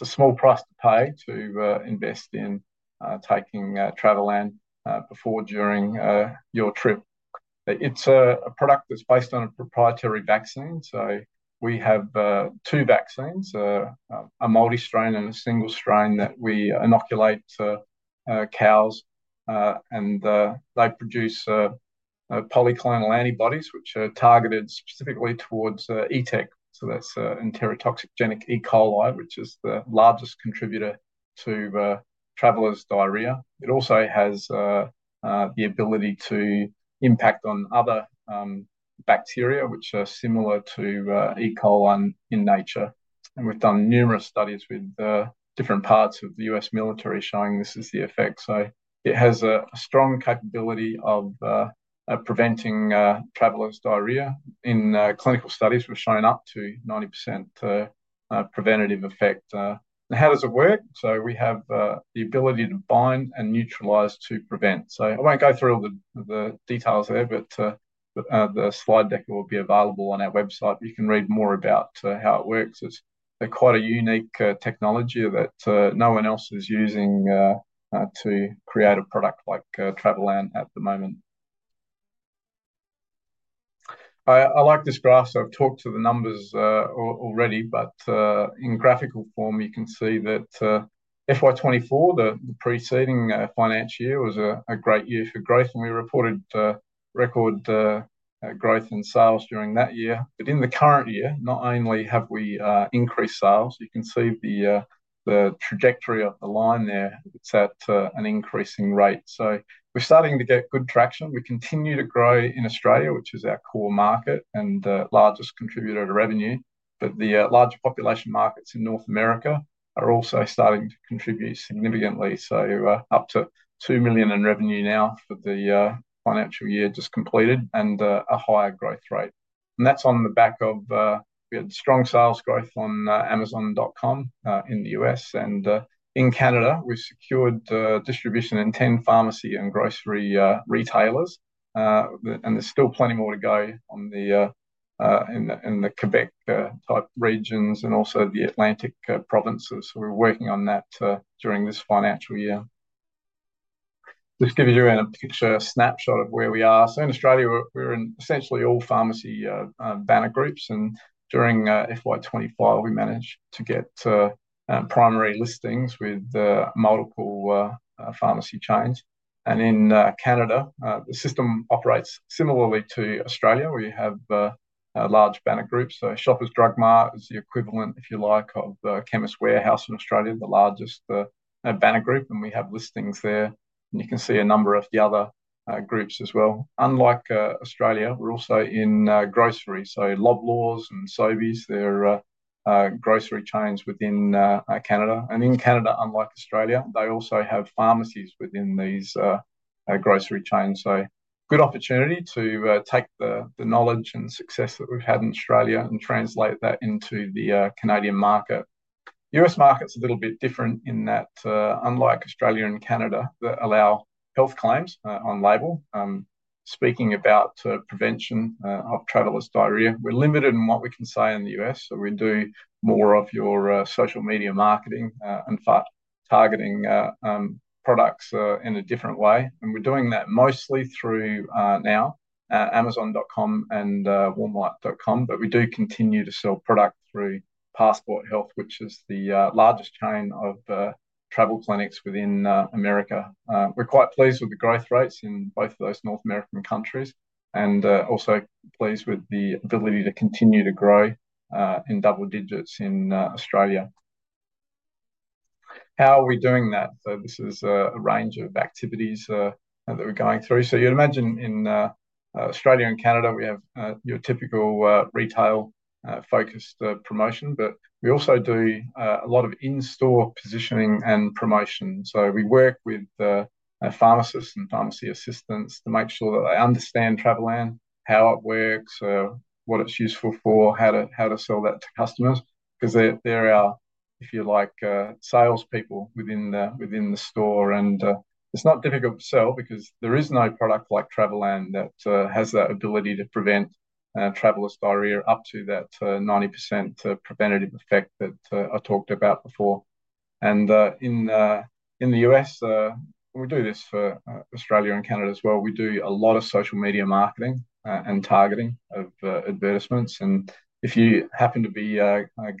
a small price to pay to invest in taking Travelan before, during your trip. It's a product that's based on a proprietary vaccine. We have two vaccines, a multi-strain and a single strain that we inoculate cows. They produce polyclonal antibodies, which are targeted specifically towards ETEC, that's Enterotoxigenic E. coli, which is the largest contributor to travelers' diarrhea. It also has the ability to impact on other bacteria, which are similar to E. coli in nature. We've done numerous studies with different parts of the U.S. military showing this is the effect. It has a strong capability of preventing travelers' diarrhea. In clinical studies, we've shown up to 90% preventative effect. How does it work? We have the ability to bind and neutralize to prevent. I won't go through all the details there, but the slide deck will be available on our website. You can read more about how it works. It's quite a unique technology that no one else is using to create a product like Travelan at the moment. I like this graph. I've talked to the numbers already, but in graphical form, you can see that FY 2024, the preceding financial year, was a great year for growth. We reported record growth in sales during that year. In the current year, not only have we increased sales, you can see the trajectory of the line there. It's at an increasing rate. We're starting to get good traction. We continue to grow in Australia, which is our core market and largest contributor to revenue. The large population markets in North America are also starting to contribute significantly. Up to $2 million in revenue now for the financial year just completed and a higher growth rate. That's on the back of strong sales growth on amazon.com in the U.S. In Canada, we've secured distribution in 10 pharmacy and grocery retailers. There's still plenty more to go in the Quebec regions and also the Atlantic provinces. We're working on that during this financial year. Just giving you a picture, a snapshot of where we are. In Australia, we're in essentially all pharmacy banner groups. During FY 2024, we managed to get primary listings with multiple pharmacy chains. In Canada, the system operates similarly to Australia. We have large banner groups. Shoppers Drug Mart is the equivalent, if you like, of the Chemist Warehouse in Australia, the largest banner group. We have listings there. You can see a number of the other groups as well. Unlike Australia, we're also in grocery. Loblaws and Sobeys are grocery chains within Canada. In Canada, unlike Australia, they also have pharmacies within these grocery chains. Good opportunity to take the knowledge and success that we've had in Australia and translate that into the Canadian market. The U.S. market's a little bit different in that, unlike Australia and Canada, that allow health claims on label. Speaking about prevention of travelers' diarrhea, we're limited in what we can say in the U.S. We do more of your social media marketing and targeting products in a different way. We're doing that mostly through now amazon.com and walmart.com. We do continue to sell product through Passport Health, which is the largest chain of travel clinics within America. We're quite pleased with the growth rates in both of those North American countries and also pleased with the ability to continue to grow in double digits in Australia. How are we doing that? This is a range of activities that we're going through. You'd imagine in Australia and Canada, we have your typical retail-focused promotion. We also do a lot of in-store positioning and promotion. We work with pharmacists and pharmacy assistants to make sure that they understand Travelan, how it works, what it's useful for, how to sell that to customers because they're our, if you like, salespeople within the store. It's not difficult to sell because there is no product like Travelan that has that ability to prevent travelers' diarrhea up to that 90% preventative effect that I talked about before. In the U.S., we do this for Australia and Canada as well. We do a lot of social media marketing and targeting of advertisements. If you happen to be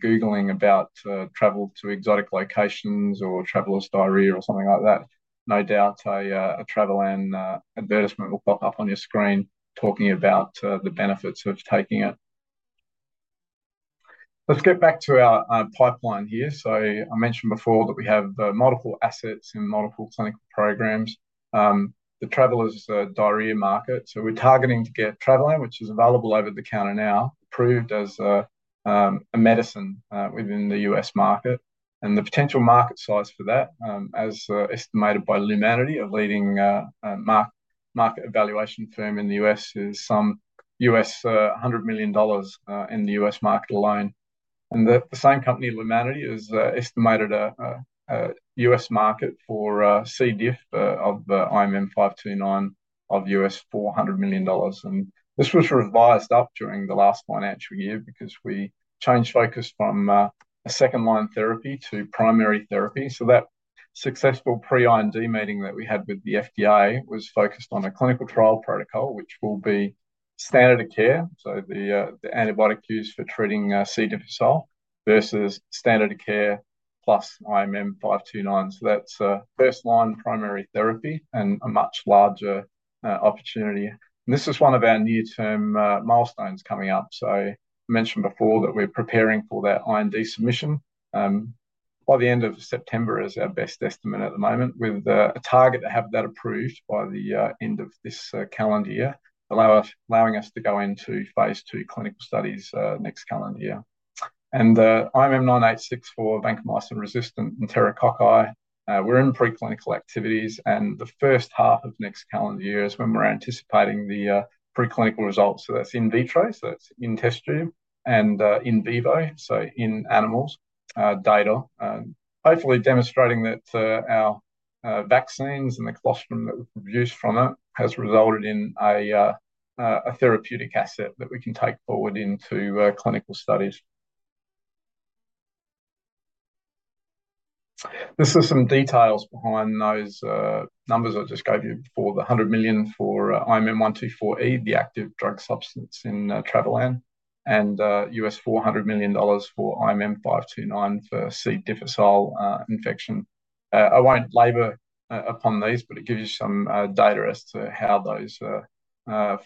Googling about travel to exotic locations or travelers' diarrhea or something like that, no doubt a Travelan advertisement will pop up on your screen talking about the benefits of taking it. Let's get back to our pipeline here. I mentioned before that we have multiple assets in multiple clinical programs. The travelers' diarrhea market. We're targeting to get Travelan, which is available over the counter now, approved as a medicine within the U.S. market. The potential market size for that, as estimated by Lumanity, a leading market evaluation firm in the U.S., is some $100 million in the U.S. market alone. The same company, Lumanity, has estimated a U.S. market for Clostridioides difficile infection of IMM529 of $400 million. This was revised up during the last financial year because we changed focus from a second line therapy to primary therapy. That successful pre-IND meeting that we had with the FDA was focused on a clinical trial protocol, which will be standard of care. The antibiotic used for treating C. difficile versus standard of care plus IMM529. That's first line primary therapy and a much larger opportunity. This is one of our near-term milestones coming up. I mentioned before that we're preparing for that IND submission by the end of September is our best estimate at the moment, with a target to have that approved by the end of this calendar year, allowing us to go into phase two clinical studies next calendar year. The IMM986 for vancomycin-resistant enterococci is in preclinical activities. The first half of next calendar year is when we're anticipating the preclinical results. That is in vitro, so that's in test tube, and in vivo, so in animals data, hopefully demonstrating that our vaccines and the colostrum that we've used from it has resulted in a therapeutic asset that we can take forward into clinical studies. This is some details behind those numbers I just gave you for the $100 million for IMM124E, the active drug substance in Travelan, and $400 million for IMM529 for C. difficile infection. I won't labor upon these, but it gives you some data as to how those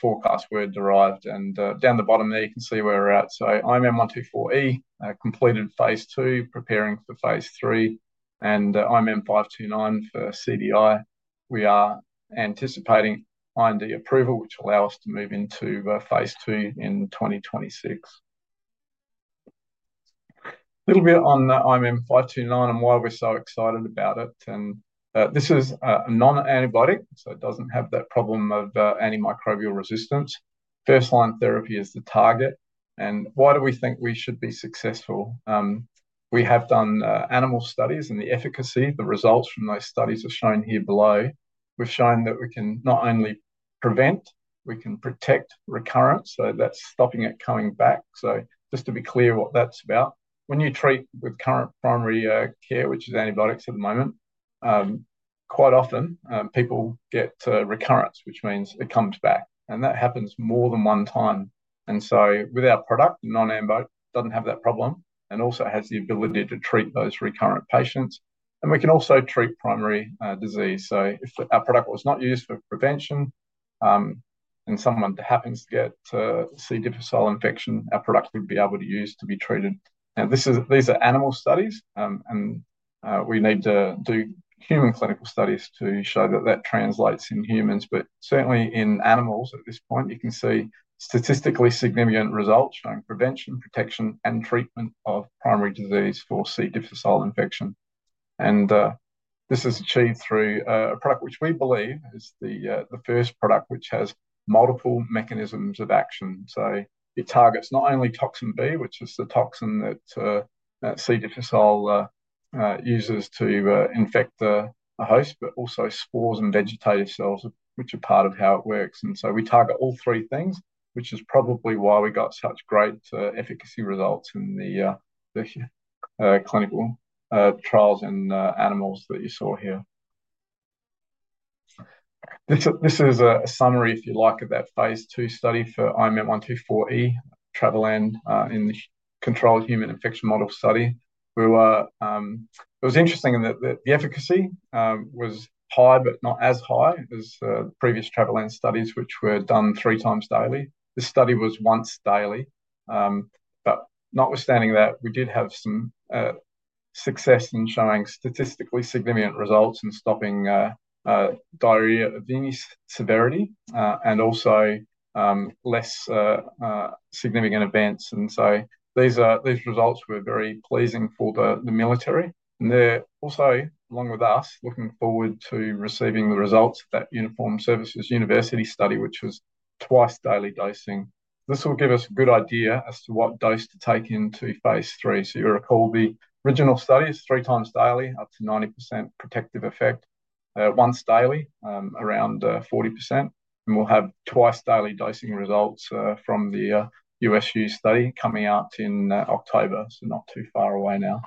forecasts were derived. Down the bottom there, you can see where we're at. IMM124E completed phase two, preparing for phase three, and IMM529 for CDI. We are anticipating IND approval, which will allow us to move into phase two in 2026. A little bit on IMM529, and why we're so excited about it. This is a non-antibiotic, so it doesn't have that problem of antimicrobial resistance. First line therapy is the target. Why do we think we should be successful? We have done animal studies, and the efficacy, the results from those studies are shown here below. We've shown that we can not only prevent, we can protect recurrence. That's stopping it coming back. Just to be clear what that's about, when you treat with current primary care, which is antibiotics at the moment, quite often people get recurrence, which means it comes back. That happens more than one time. With our product, non-antibiotic, it doesn't have that problem and also has the ability to treat those recurrent patients. We can also treat primary disease. If our product was not used for prevention and someone happens to get C. difficile infection, our product would be able to use to be treated. These are animal studies, and we need to do human clinical studies to show that that translates in humans. Certainly in animals at this point, you can see statistically significant results showing prevention, protection, and treatment of primary disease for C. difficile infection. This is achieved through a product which we believe is the first product which has multiple mechanisms of action. It targets not only toxin B, which is the toxin that C. difficile uses to infect a host, but also spores and vegetative cells, which are part of how it works. We target all three things, which is probably why we got such great efficacy results in the first clinical trials in animals that you saw here. This is a summary, if you like, of that phase two study for IMM124E, Travelan in the controlled human infection model study. It was interesting that the efficacy was high, but not as high as previous Travelan studies which were done three times daily. This study was once daily. Notwithstanding that, we did have some success in showing statistically significant results in stopping diarrhea of any severity and also less significant events. These results were very pleasing for the military. They are also, along with us, looking forward to receiving the results of that Uniform Services University study, which was twice daily dosing. This will give us a good idea as to what dose to take into phase three. You recall the original study is three times daily, up to 90% protective effect, once daily, around 40%. We will have twice daily dosing results from the U.S. new study coming out in October, not too far away now.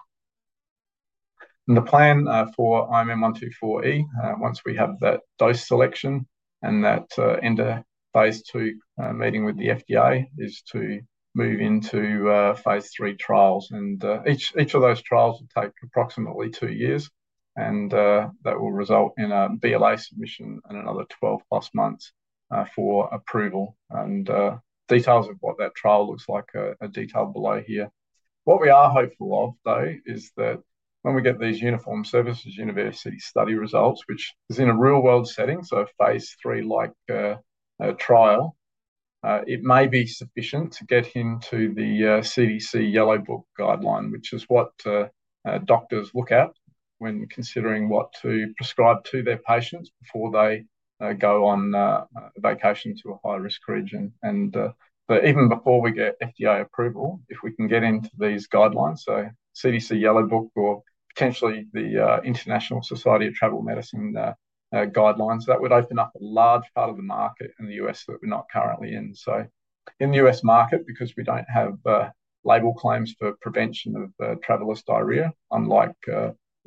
The plan for IMM124E, once we have that dose selection and that end of phase two meeting with the FDA, is to move into phase three trials. Each of those trials will take approximately two years. That will result in a BLA submission and another 12 plus months for approval. Details of what that trial looks like are detailed below here. We are hopeful that when we get these Uniform Services University study results, which is in a real-world setting, so a phase three-like trial, it may be sufficient to get into the CDC Yellow Book guideline, which is what doctors look at when considering what to prescribe to their patients before they go on vacation to a high-risk region. Even before we get FDA approval, if we can get into these guidelines, so CDC Yellow Book or potentially the International Society of Travel Medicine guidelines, that would open up a large part of the market in the U.S. that we're not currently in. In the U.S. market, because we don't have label claims for prevention of travelers' diarrhea, unlike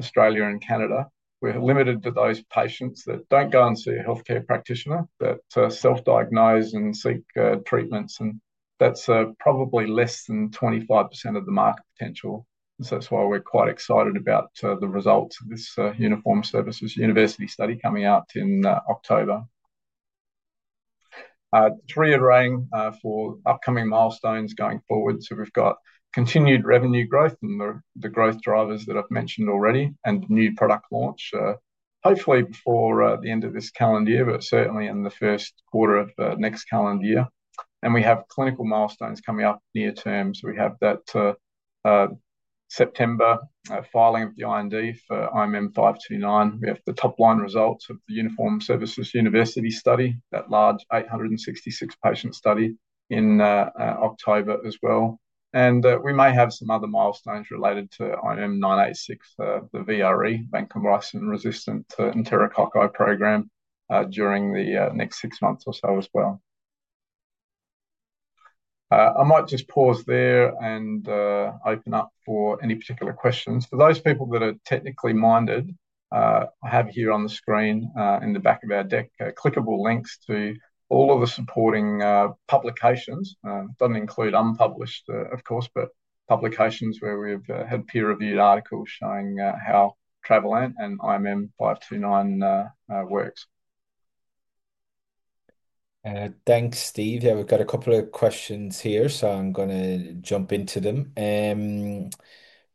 Australia and Canada, we're limited to those patients that don't go and see a healthcare practitioner that self-diagnose and seek treatments. That's probably less than 25% of the market potential. That's why we're quite excited about the results of this Uniform Services University study coming out in October. There are three to aim for upcoming milestones going forward. We've got continued revenue growth and the growth drivers that I've mentioned already, and new product launch, hopefully before the end of this calendar year, but certainly in the first quarter of next calendar year. We have clinical milestones coming up near term. We have that September filing of the IND for IMM529. We have the top line results of the Uniformed Services University study, that large 866 patient study, in October as well. We may have some other milestones related to IMM986, the VRE, vancomycin-resistant enterococci program, during the next six months or so as well. I might just pause there and open up for any particular questions. For those people that are technically minded, I have here on the screen in the back of our deck clickable links to all of the supporting publications. It doesn't include unpublished, of course, but publications where we've had peer-reviewed articles showing how Travelan and IMM529 work. Thanks, Steve. Now we've got a couple of questions here, so I'm going to jump into them.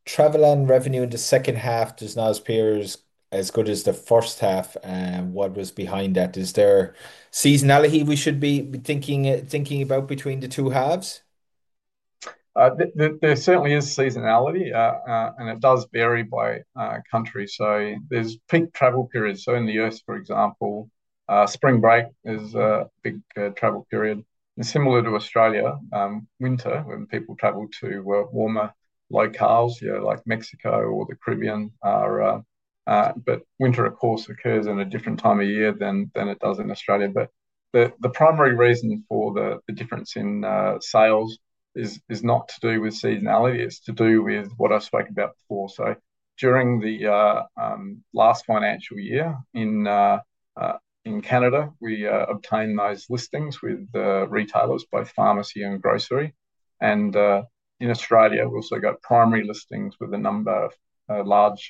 Travelan revenue in the second half does not appear as good as the first half. What was behind that? Is there seasonality we should be thinking about between the two halves? There certainly is seasonality, and it does vary by country. There are peak travel periods. In the U.S., for example, spring break is a big travel period. Similar to Australia, winter, when people travel to warmer locales, like Mexico or the Caribbean, but winter, of course, occurs in a different time of year than it does in Australia. The primary reason for the difference in sales is not to do with seasonality. It's to do with what I spoke about before. During the last financial year in Canada, we obtained those listings with retailers, both pharmacy and grocery. In Australia, we also got primary listings with a number of large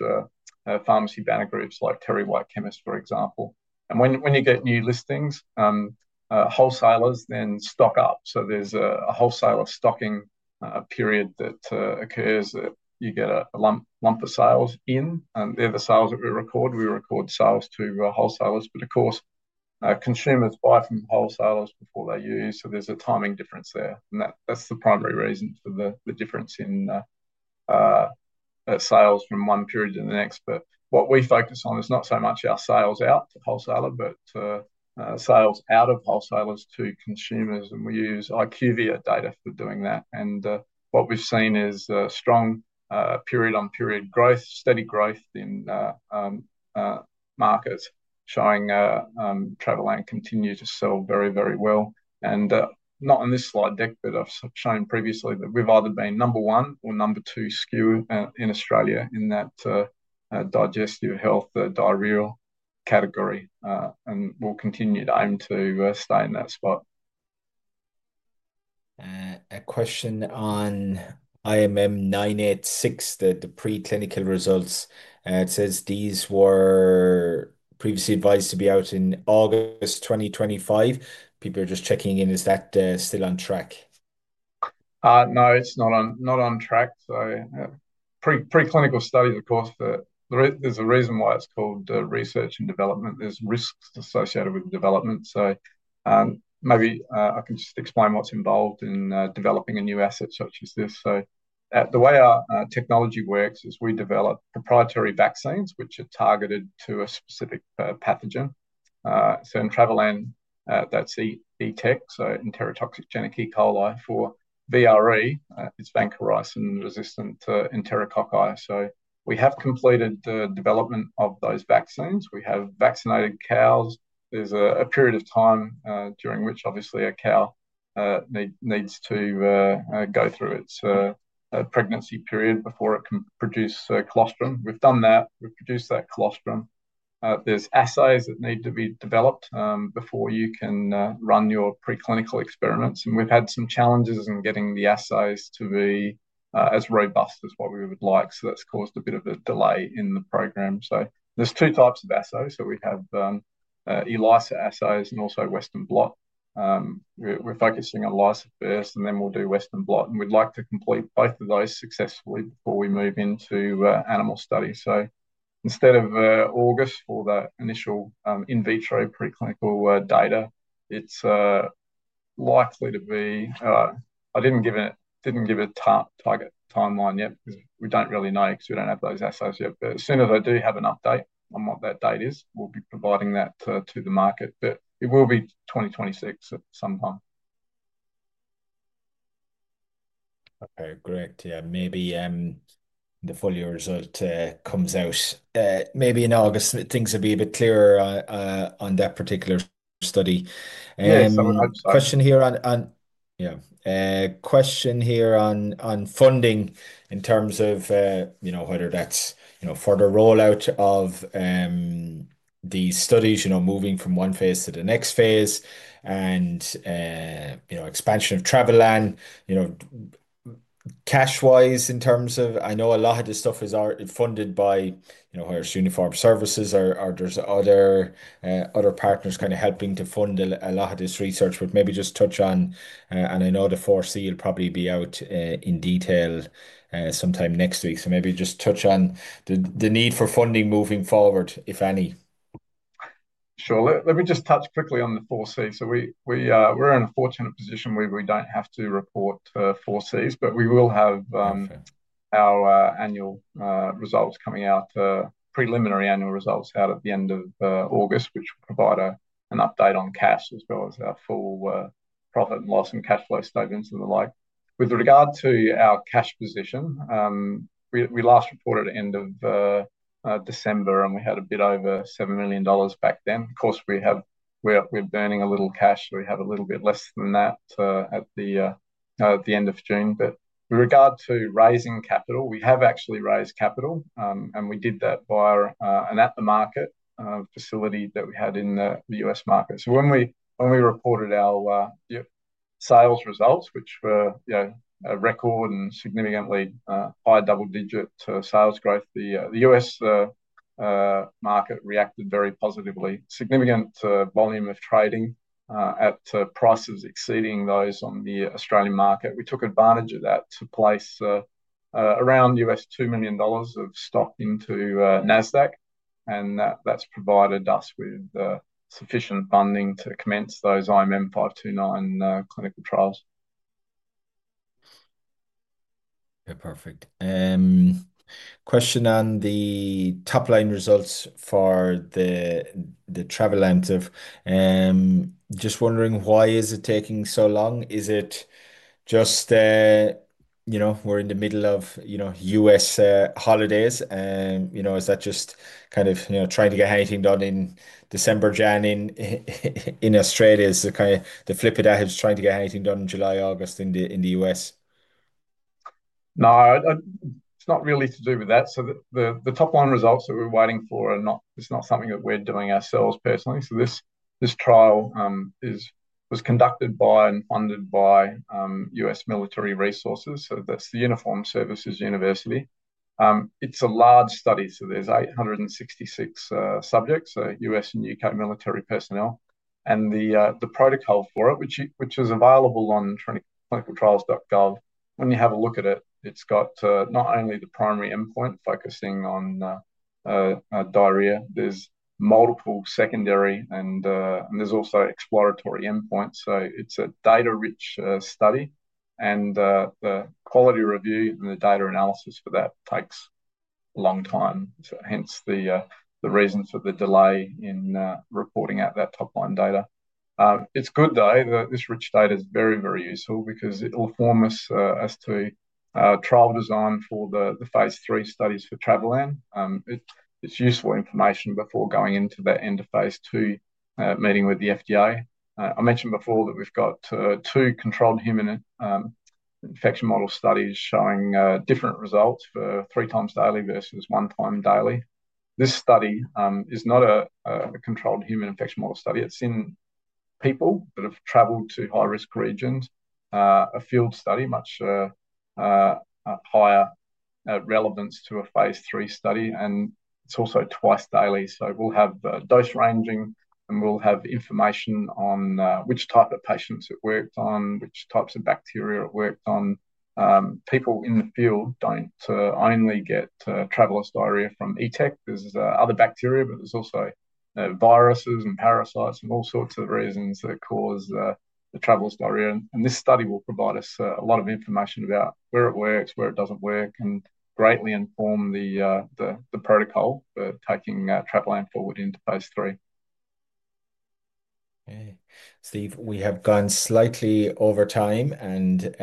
pharmacy banner groups like Terry White Chemists, for example. When you get new listings, wholesalers then stock up. There's a wholesaler stocking period that occurs that you get a lump of sales in. They're the sales that we record. We record sales to the wholesalers. Of course, consumers buy from the wholesalers before they use. There's a timing difference there. That's the primary reason for the difference in sales from one period to the next. What we focus on is not so much our sales out to the wholesaler, but sales out of wholesalers to consumers. We use IQVIA data for doing that. What we've seen is a strong period-on-period growth, steady growth in markets, showing Travelan continues to sell very, very well. Not on this slide deck, but I've shown previously that we've either been number one or number two SKU in Australia in that digestive health diarrheal category. We'll continue to aim to stay in that spot. A question on IMM986, the preclinical results. It says these were previously advised to be out in August 2025. People are just checking in. Is that still on track? No, it's not on track. Preclinical studies, of course, but there's a reason why it's called research and development. There's risks associated with development. Maybe I can just explain what's involved in developing a new asset such as this. The way our technology works is we develop proprietary vaccines, which are targeted to a specific pathogen. In Travelan, that's ETEC, so Enterotoxigenic E. coli. For VRE, it's vancomycin-resistant enterococci. We have completed the development of those vaccines. We have vaccinated cows. There's a period of time during which, obviously, a cow needs to go through its pregnancy period before it can produce colostrum. We've done that. We've produced that colostrum. There's assays that need to be developed before you can run your preclinical experiments. We've had some challenges in getting the assays to be as robust as what we would like. That's caused a bit of a delay in the program. There's two types of assays. We have ELISA assays and also Western Blot. We're focusing on ELISA first, and then we'll do Western Blot. We'd like to complete both of those successfully before we move into animal studies. Instead of August for the initial in vitro preclinical data, it's likely to be, I didn't give a target timeline yet because we don't really know because we don't have those assays yet. As soon as I do have an update on what that date is, we'll be providing that to the market. It will be 2026 at some time. Okay, great. Maybe the full year result comes out. Maybe in August, things will be a bit clearer on that particular study. Question here on funding in terms of, you know, whether that's, you know, further rollout of these studies, you know, moving from one phase to the next phase and, you know, expansion of Travelan. Cash-wise, in terms of, I know a lot of this stuff is already funded by, you know, whether it's Uniform Services or there's other partners kind of helping to fund a lot of this research. Maybe just touch on, and I know the foresee will probably be out in detail sometime next week. Maybe just touch on the need for funding moving forward, if any. Sure. Let me just touch quickly on the foresee. We're in a fortunate position where we don't have to report foresees, but we will have our annual results coming out, preliminary annual results out at the end of August, which will provide an update on CAS as well as our full profit and loss and cash flow statements and the like. With regard to our cash position, we last reported at the end of December, and we had a bit over $7 million back then. Of course, we're burning a little cash, so we have a little bit less than that at the end of June. With regard to raising capital, we have actually raised capital, and we did that by an ATM facility that we had in the U.S. market. When we reported our sales results, which were a record and significantly high double-digit sales growth, the U.S. market reacted very positively. Significant volume of trading at prices exceeding those on the Australian market. We took advantage of that to place around US$2 million of stock into NASDAQ, and that's provided us with sufficient funding to commence those IMM529 clinical trials. Perfect. Question on the top line results for the Travelan trial. Just wondering, why is it taking so long? Is it just, you know, we're in the middle of, you know, U.S. holidays? Is that just kind of, you know, trying to get anything done in December, January in Australia? Is it kind of the flip of that, is trying to get anything done in July, August in the U.S.? No, it's not really to do with that. The top line results that we're waiting for is not something that we're doing ourselves personally. This trial was conducted by and funded by U.S. military resources. That's the Uniform Services University. It's a large study. There's 866 subjects, U.S. and U.K. military personnel. The protocol for it, which was available on clinicaltrials.gov, when you have a look at it, it's got not only the primary endpoint focusing on diarrhea, there's multiple secondary and also exploratory endpoints. It's a data-rich study. The quality review and the data analysis for that takes a long time, hence the reason for the delay in reporting out that top line data. It's good, though, that this rich data is very, very useful because it will inform us as to how. Followers on for the phase three studies for Travelan. It's useful information before going into the end of phase two, meeting with the FDA. I mentioned before that we've got two controlled human infection model studies showing different results for three times daily versus one time daily. This study is not a controlled human infection model study. It's in people that have traveled to high-risk regions, a field study, much higher relevance to a phase three study, and it's also twice daily. We'll have dose ranging, and we'll have information on which type of patients it worked on, which types of bacteria it worked on. People in the field don't only get Travelers' diarrhea from ETEC. There's other bacteria, but there's also viruses and parasites and all sorts of reasons that cause the Travelers' diarrhea. This study will provide us a lot of information about where it works, where it doesn't work, and greatly inform the protocol for taking Travelan forward into phase three. Hey, Steve, we have gone slightly over time, and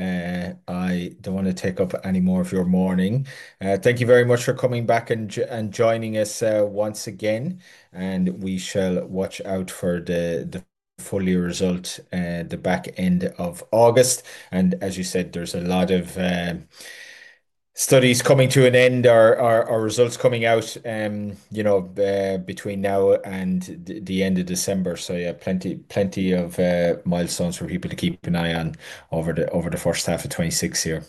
I don't want to take up any more of your morning. Thank you very much for coming back and joining us once again. We shall watch out for the portfolio results at the back end of August. As you said, there's a lot of studies coming to an end, results coming out between now and the end of December. Yeah, plenty of milestones for people to keep an eye on over the first half of 2026 here.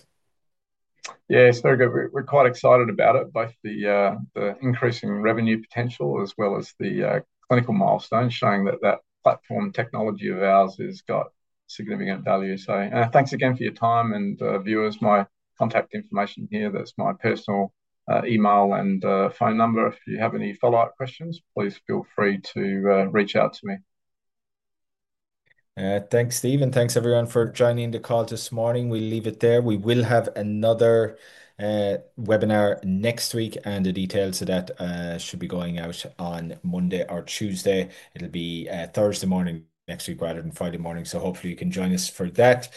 Yeah, it's very good. We're quite excited about it, both the increasing revenue potential as well as the clinical milestones showing that that platform technology of ours has got significant value. Thanks again for your time. Viewers, my contact information here, that's my personal email and phone number. If you have any follow-up questions, please feel free to reach out to me. Thanks, Steve, and thanks everyone for joining the call this morning. We'll leave it there. We will have another webinar next week, and the details of that should be going out on Monday or Tuesday. It will be Thursday morning next week rather than Friday morning. Hopefully you can join us for that.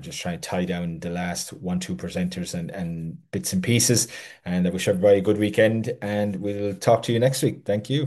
Just trying to tie down the last one or two presenters and bits and pieces. I wish everybody a good weekend, and we'll talk to you next week. Thank you.